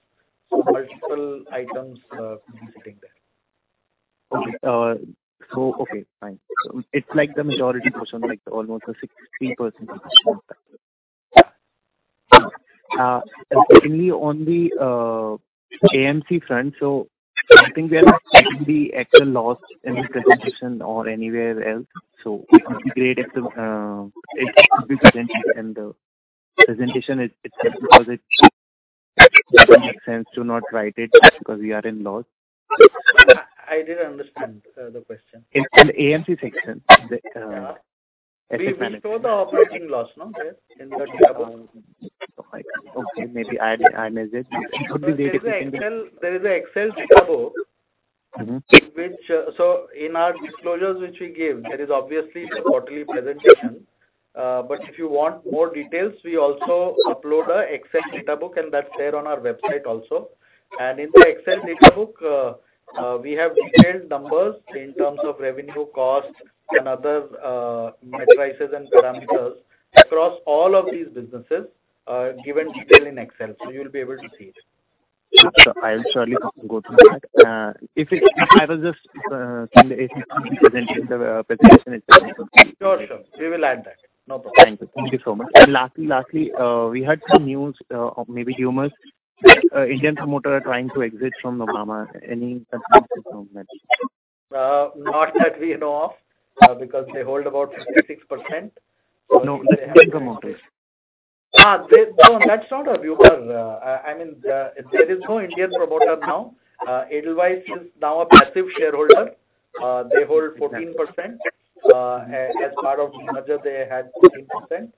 So multiple items, could be sitting there. Okay. So, okay, fine. So it's like the majority portion, like almost 60%. Certainly on the AMC front, so I think we are not taking the actual loss in the presentation or anywhere else. So it would be great if, in the presentation, it, it, because it doesn't make sense to not write it just because we are in loss. I didn't understand the question. In AMC section, the We show the operating loss, no? In the data book. Okay, maybe I missed it. There is an Excel data book. Mm-hmm. which, so in our disclosures which we give, there is obviously a quarterly presentation. But if you want more details, we also upload an Excel data book, and that's there on our website also. In the Excel data book, we have detailed numbers in terms of revenue, costs, and other metrics and parameters across all of these businesses, given detail in Excel, so you'll be able to see it. I'll surely go through that. If it, I was just presented, the presentation is. Sure. Sure. We will add that. No problem. Thank you. Thank you so much. And lastly, lastly, we had some news, or maybe rumors, Indian promoter trying to exit from Nuvama. Any comments on that? Not that we know of, because they hold about 56%. No, the Indian promoters. No, that's not a rumor. I mean, there is no Indian promoter now. Edelweiss is now a passive shareholder. They hold 14%. As part of the merger, they had 10%,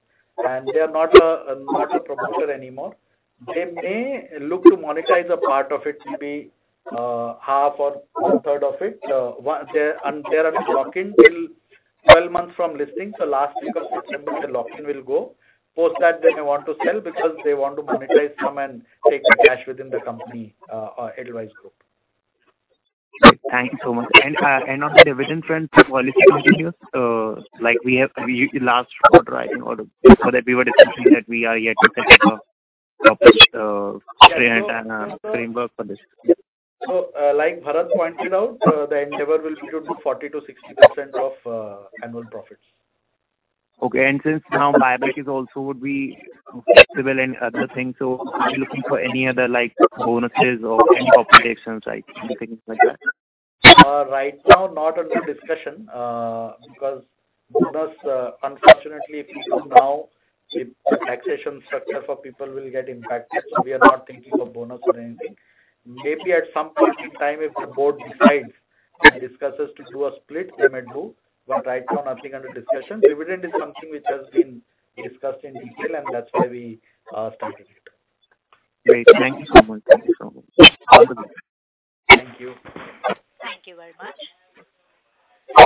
and they are not a promoter anymore. They may look to monetize a part of it, maybe half or a third of it. One, they're under a lock-in till 12 months from listing. So last week of September, the lock-in will go. Post that, they may want to sell because they want to monetize some and take the cash within the company, or Edelweiss Group. Thank you so much. And on the dividend front, will it continue? Like we have the last quarter, right? In order for that, we were discussing that we are yet to set up framework for this. So, like Bharat pointed out, the endeavor will be to do 40%-60% of annual profits. Okay. And since now liabilities also would be flexible and other things, so are you looking for any other, like, bonuses or any compensation, like, anything like that? Right now, not under discussion, because bonus, unfortunately, if you look now, the taxation structure for people will get impacted, so we are not thinking of bonus or anything. Maybe at some point in time, if the board decides and discusses to do a split, they might do, but right now, nothing under discussion. Dividend is something which has been discussed in detail, and that's why we started it. Great. Thank you so much. Thank you so much. Thank you. Thank you very much.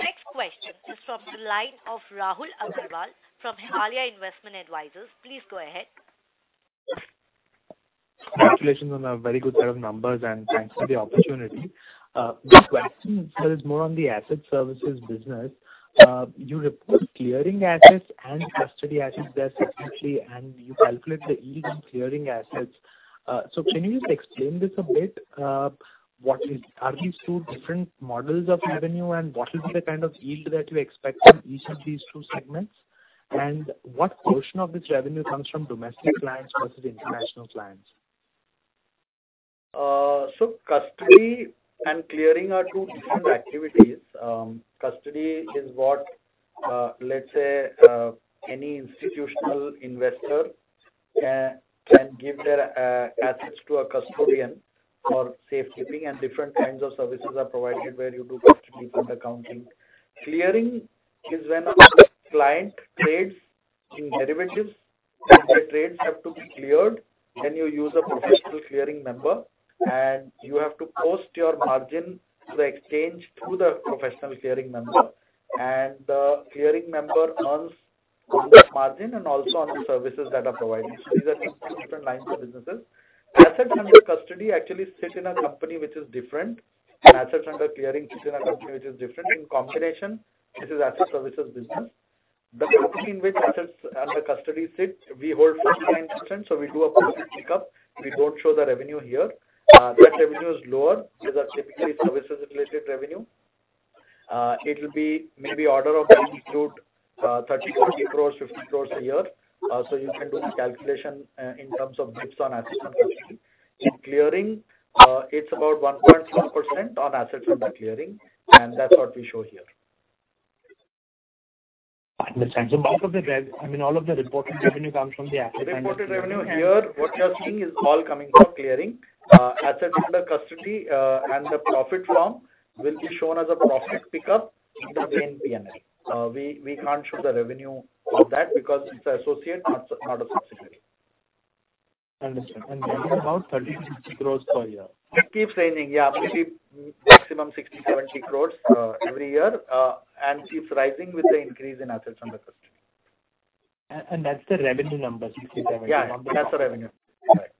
Next question is from the line of Rahul Agarwal from Himalaya Investment Advisors. Please go ahead. Congratulations on a very good set of numbers, and thanks for the opportunity. This question is more on the asset services business. You report clearing assets and custody assets there separately, and you calculate the yield on clearing assets. So can you just explain this a bit? What is- are these two different models of revenue? And what will be the kind of yield that you expect from each of these two segments? And what portion of this revenue comes from domestic clients versus international clients? So custody and clearing are two different activities. Custody is what, let's say, any institutional investor can give their assets to a custodian for safekeeping, and different kinds of services are provided where you do custody and accounting. Clearing is when a client trades in derivatives, and the trades have to be cleared, then you use a professional clearing member. And you have to post your margin to the exchange through the professional clearing member. And the clearing member earns on that margin and also on the services that are provided. So these are two different lines of businesses. Assets under custody actually sit in a company which is different, and assets under clearing sit in a company which is different. In combination, this is Asset Services business. The company in which assets under custody sit, we hold first line interest, so we do a profit pickup. We don't show the revenue here. That revenue is lower. These are typically services-related revenue. It will be maybe order of in between, 30 crore-40 crore, 50 crore a year. So you can do the calculation, in terms of bps on assets under custody. In clearing, it's about 1.4% on assets under clearing, and that's what we show here. I understand. So most of the, I mean, all of the reported revenue comes from the asset under. reported revenue here, what you're seeing is all coming from clearing. Assets under custody, and the profit from, will be shown as a profit pickup in the main P&L. We can't show the revenue on that because it's an associate, not a subsidiary. Understood. It's about INR 30 crore-INR 60 crore per year. It keeps ranging, yeah. We see maximum 60 crore-70 crore every year, and keeps rising with the increase in assets under custody. And that's the revenue number, INR 60 crore-INR 70 crore? Yeah, that's the revenue. Correct.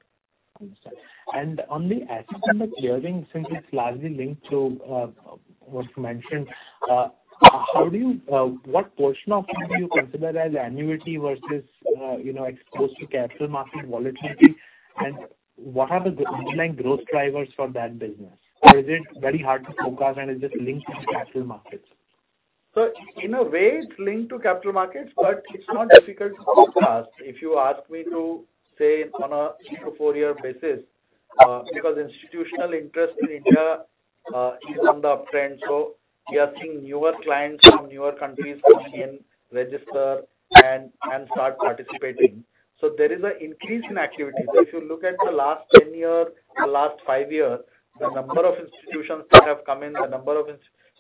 Understood. On the asset under clearing, since it's largely linked to what you mentioned, how do you... what portion of it do you consider as annuity versus, you know, exposed to capital market volatility? And what are the underlying growth drivers for that business, or is it very hard to forecast and is just linked to capital markets? So in a way, it's linked to Capital Markets, but it's not difficult to forecast. If you ask me to say on a 3 to 4 year basis, because institutional interest in India is on the uptrend. So we are seeing newer clients from newer countries come in, register, and start participating. So there is an increase in activity. So if you look at the last 10-year, the last 5-year, the number of institutions that have come in,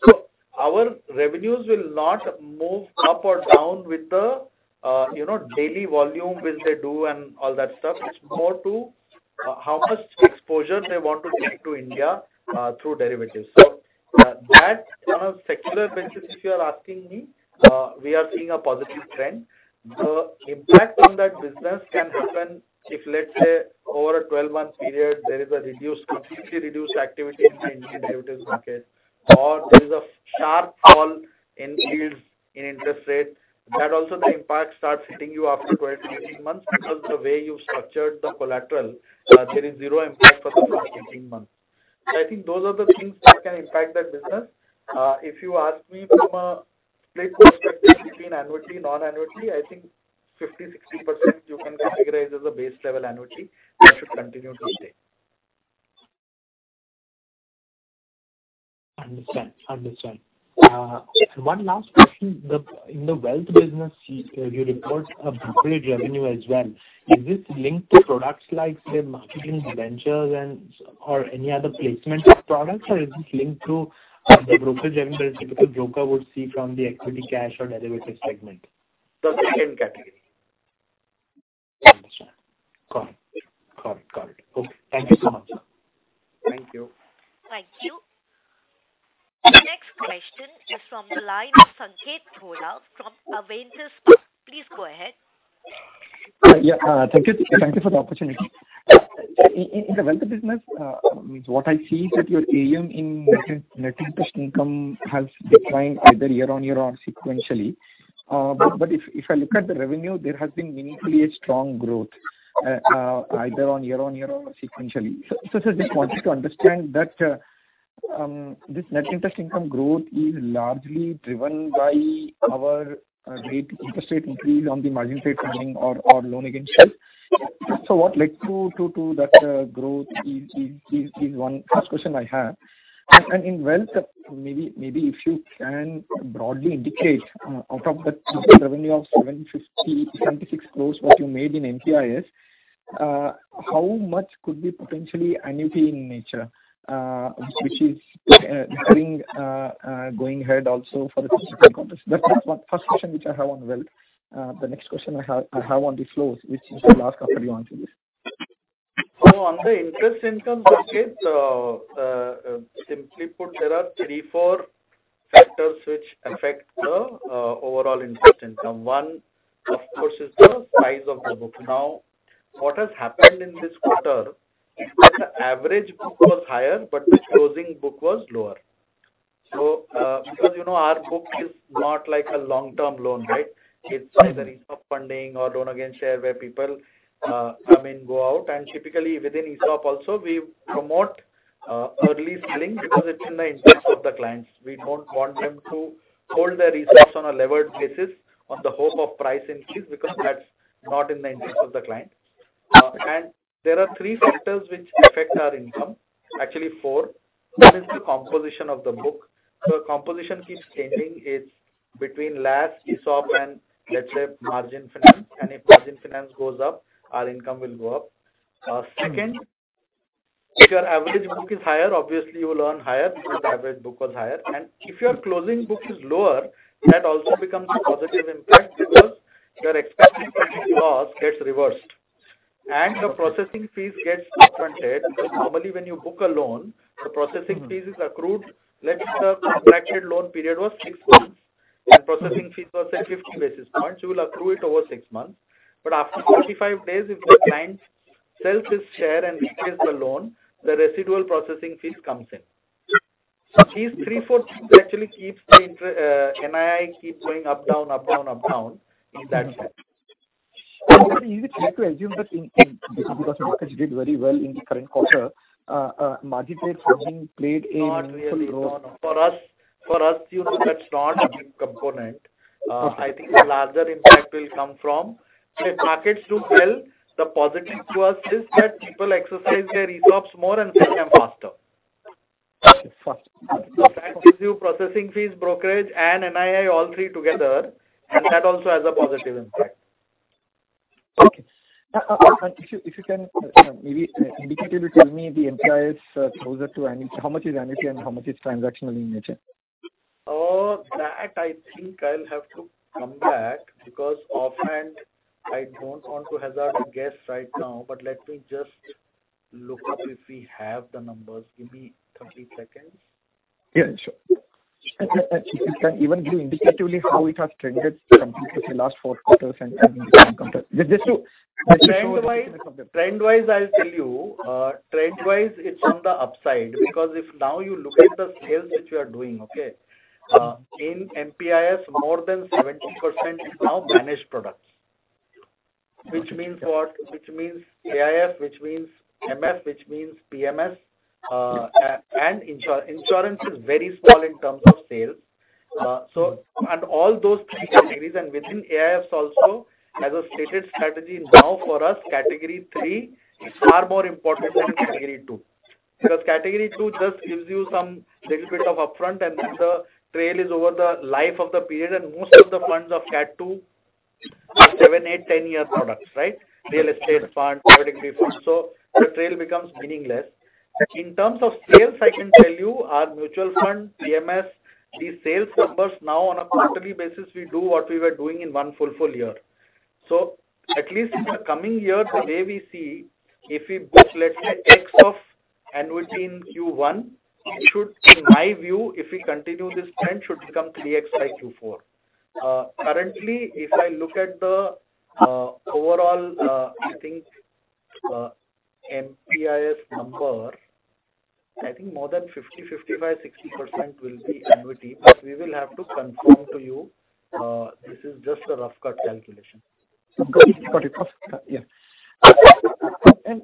so our revenues will not move up or down with the, you know, daily volume which they do and all that stuff. It's more to how much exposure they want to take to India through derivatives. So that on a secular basis, if you are asking me, we are seeing a positive trend. The impact on that business can happen if, let's say, over a 12-month period, there is a reduced, completely reduced activity in the Indian derivatives market, or there is a sharp fall in yields in interest rates. That also, the impact starts hitting you after 12-18 months, because the way you've structured the collateral, there is zero impact for the first 18 months. So I think those are the things that can impact that business. If you ask me from a split perspective between annuity, non-annuity, I think 50%-60% you can configure as a base level annuity, that should continue to stay. One last question: In the wealth business, you report a brokerage revenue as well. Is this linked to products like, say, market linked debentures and or any other placement of products? Or is this linked to the broker revenue that a typical broker would see from the equity, cash or derivatives segment? The same category. Understood. Got it. Got it, got it. Okay, thank you so much. Thank you. Thank you. The next question is from the line of Sanketh Godha from Avendus. Please go ahead. Yeah. Thank you, thank you for the opportunity. In the wealth business, what I see is that your AUM in net interest income has declined either year-on-year or sequentially. But if I look at the revenue, there has been meaningfully a strong growth either on year-on-year or sequentially. So just wanted to understand that this net interest income growth is largely driven by interest rate increase on the margin trade funding or loan against it. So what led to that growth is one first question I have. And in wealth, maybe if you can broadly indicate out of the revenue of 76 crore what you made in NII, how much could be potentially annuity in nature? which is going ahead also for the. That's the first question which I have on wealth. The next question I have on the flows, which is the last question you answered. So on the interest income bucket, simply put, there are three, four factors which affect the overall interest income. One, of course, is the size of the book. Now, what has happened in this quarter, the average book was higher, but the closing book was lower. So, because, you know, our book is not like a long-term loan, right? It's either ESOP funding or loan against share, where people come in, go out, and typically within ESOP also, we promote early selling because it's in the interest of the clients. We don't want them to hold their ESOPs on a levered basis on the hope of price increase, because that's not in the interest of the client. And there are three factors which affect our income. Actually, four. One is the composition of the book. So composition keeps changing. It's between LAS, ESOP and let's say, margin finance. And if margin finance goes up, our income will go up. Second, if your average book is higher, obviously you will earn higher because the average book was higher. And if your closing book is lower, that also becomes a positive impact because your expected loss gets reversed and the processing fees gets front-ended. Because normally, when you book a loan, the processing fees is accrued. Let's say the contracted loan period was six months, and processing fees was say, 50 basis points. You will accrue it over six months. But after 45 days, if the client sells his share and repays the loan, the residual processing fees comes in. So these three, four things actually keeps the inter- NII keeps going up, down, up, down, up, down in that sense. Is it fair to assume that because the markets did very well in the current quarter, margin trades have been played a meaningful role? Not really. No, no. For us, for us, you know, that's not a big component. I think the larger impact will come from... If markets do well, the positive to us is that people exercise their ESOPs more and sell them faster. Okay, faster. So that gives you processing fees, brokerage and NII, all three together, and that also has a positive impact. Okay. If you can, maybe indicatively tell me the MPIS closer to annuity, how much is annuity and how much is transactional in nature? Oh, that I think I'll have to come back, because offhand, I don't want to hazard a guess right now. But let me just look up if we have the numbers. Give me 30 seconds. Yeah, sure. If you can even give indicatively how it has trended compared to the last four quarters and, and just to, just to show- Trend-wise, trend-wise, I'll tell you. Trend-wise, it's on the upside. Because if now you look at the sales that you are doing, okay, in MPIS, more than 70% is now managed products. Which means what? Which means AIF, which means MF, which means PMS, and insurance is very small in terms of sales. So and all those three categories, and within AIFs also, as a stated strategy now for us, Category three is far more important than Category two. Because Category two just gives you some little bit of upfront, and then the trail is over the life of the period, and most of the funds of Cat two are 7, 8, 10 year products, right? Real estate fund, category fund. So the trail becomes meaningless. In terms of sales, I can tell you our mutual fund, PMS, the sales numbers now on a quarterly basis, we do what we were doing in one full, full year. So at least in the coming year, the way we see, if we book, let's say, X of annuity in Q1, it should, in my view, if we continue this trend, should become 3x by Q4. Currently, if I look at the overall, I think MPIS number, I think more than 50%, 55%, 60% will be annuity. But we will have to confirm to you, this is just a rough cut calculation. Got it. Got it. Yeah.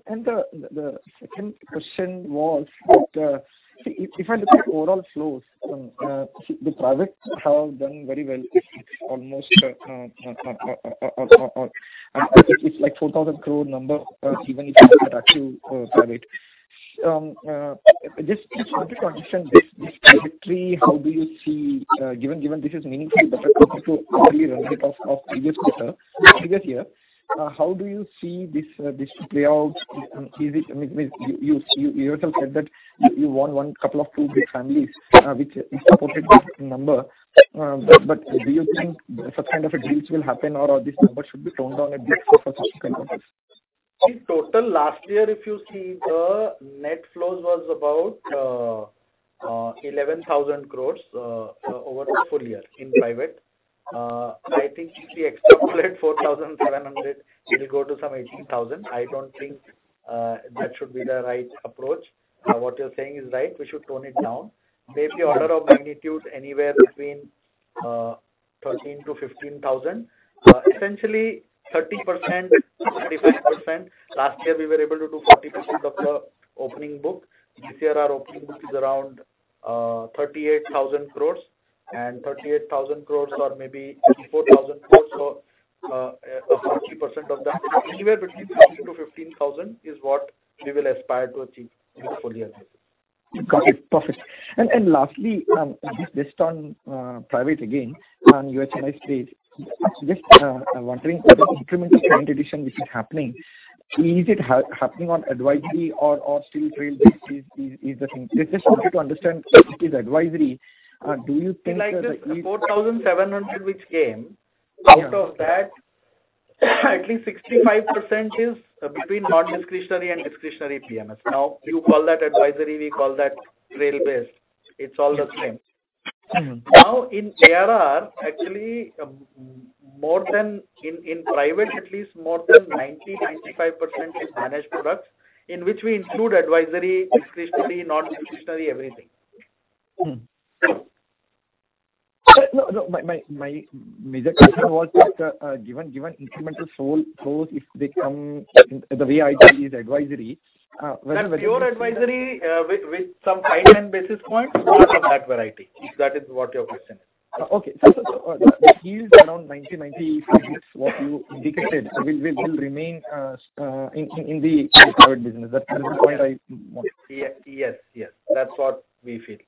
And the second question was that, if I look at overall flows, the privates have done very well. Almost, it's like 4,000 crore number, even if you actually private. Just how to understand this trajectory, how do you see, given this is meaningfully better off to earlier run rate of previous quarter, previous year, how do you see this play out? Is it... I mean, you yourself said that you won one couple of two big families, which supported this number. But do you think some kind of a deals will happen or this number should be toned down a bit for subsequent quarters? See, total last year, if you see, the net flows was about 11,000 crore over the full year in private. I think if we extrapolate 4,700 crore, it will go to some 18,000 crore. I don't think that should be the right approach. What you're saying is right, we should tone it down. Maybe order of magnitude anywhere between 13,000 crore-15,000 crore. Essentially 30%, 35%. Last year we were able to do 42% of the opening book. This year, our opening book is around 38,000 crore, and 38,000 crore or maybe 44,000 crore. So, 30% of that, anywhere between 13,000 crore-15,000 crore is what we will aspire to achieve in the full year. Got it. Perfect. And lastly, just based on private again, on UHNI space, just wondering whether incremental client addition which is happening, is it happening on advisory or still trail is the thing? Just wanted to understand if it's advisory, do you think that- Like I said, the 4,700 which came out of that. At least 65% is between non-discretionary and discretionary PMS. Now, you call that advisory, we call that trail base. It's all the same. Now, in ARR, actually, more than in private, at least more than 90%-95% is managed products, in which we include advisory, discretionary, non-discretionary, everything. Mm-hmm. No, no, my major question was that, given incremental sold flows, if they come in the way I see is advisory, whether- That pure advisory, with some high end basis points or from that variety, if that is what your question is. Okay. So the yields around 90%-95%, what you indicated, will remain in the business? That's the point I want. Yes, yes, yes. That's what we feel.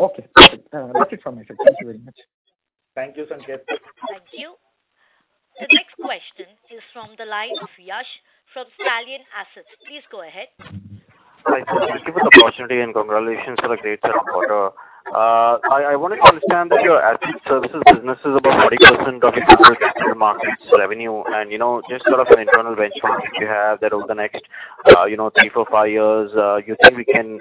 Okay. That's it from my side. Thank you very much. Thank you, Sanketh. Thank you. The next question is from the line of Yash from Stallion Asset. Please go ahead. Thank you for the opportunity, and congratulations for the greater quarter. I wanted to understand that your Asset Services business is about 40% of the Capital Markets revenue. You know, just sort of an internal benchmark which you have that over the next, you know, 3, 4, 5 years, you think we can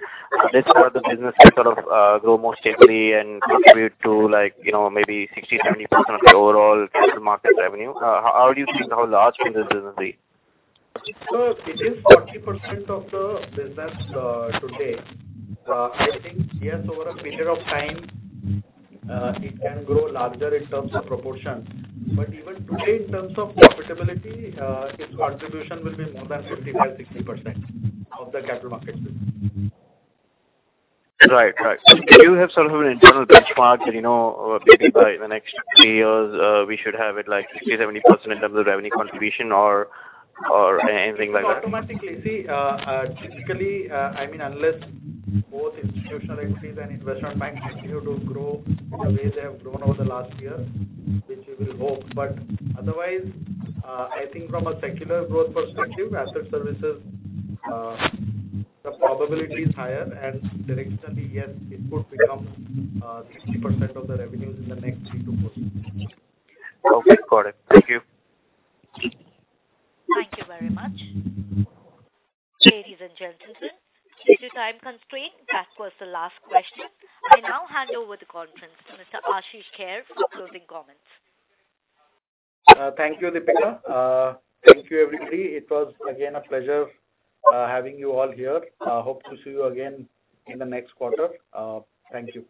this sort of business can sort of grow more steadily and contribute to, like, you know, maybe 60%-70% of the overall Capital Markets revenue? How do you think how large can this business be? So it is 40% of the business, today. I think, yes, over a period of time, it can grow larger in terms of proportion. But even today, in terms of profitability, its contribution will be more than 55%-60% of the capital market. Right. Right. Do you have sort of an internal benchmark that, you know, maybe by the next three years, we should have it like 60%-70% in terms of revenue contribution or, or anything like that? Automatically. See, typically, I mean, unless both institutional equities and investment banks continue to grow in the way they have grown over the last year, which we will hope. But otherwise, I think from a secular growth perspective, asset services, the probability is higher, and directionally, yes, it could become, 60% of the revenues in the next 3 to 4 years. Okay, got it. Thank you. Thank you very much. Ladies and gentlemen, due to time constraint, that was the last question. I now hand over the conference to Mr. Ashish Kehair for closing comments. Thank you, Deepika. Thank you, everybody. It was again, a pleasure, having you all here. Hope to see you again in the next quarter. Thank you.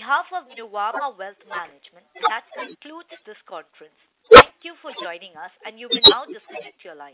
On behalf of Nuvama Wealth Management, that concludes this conference. Thank you for joining us, and you may now disconnect your lines.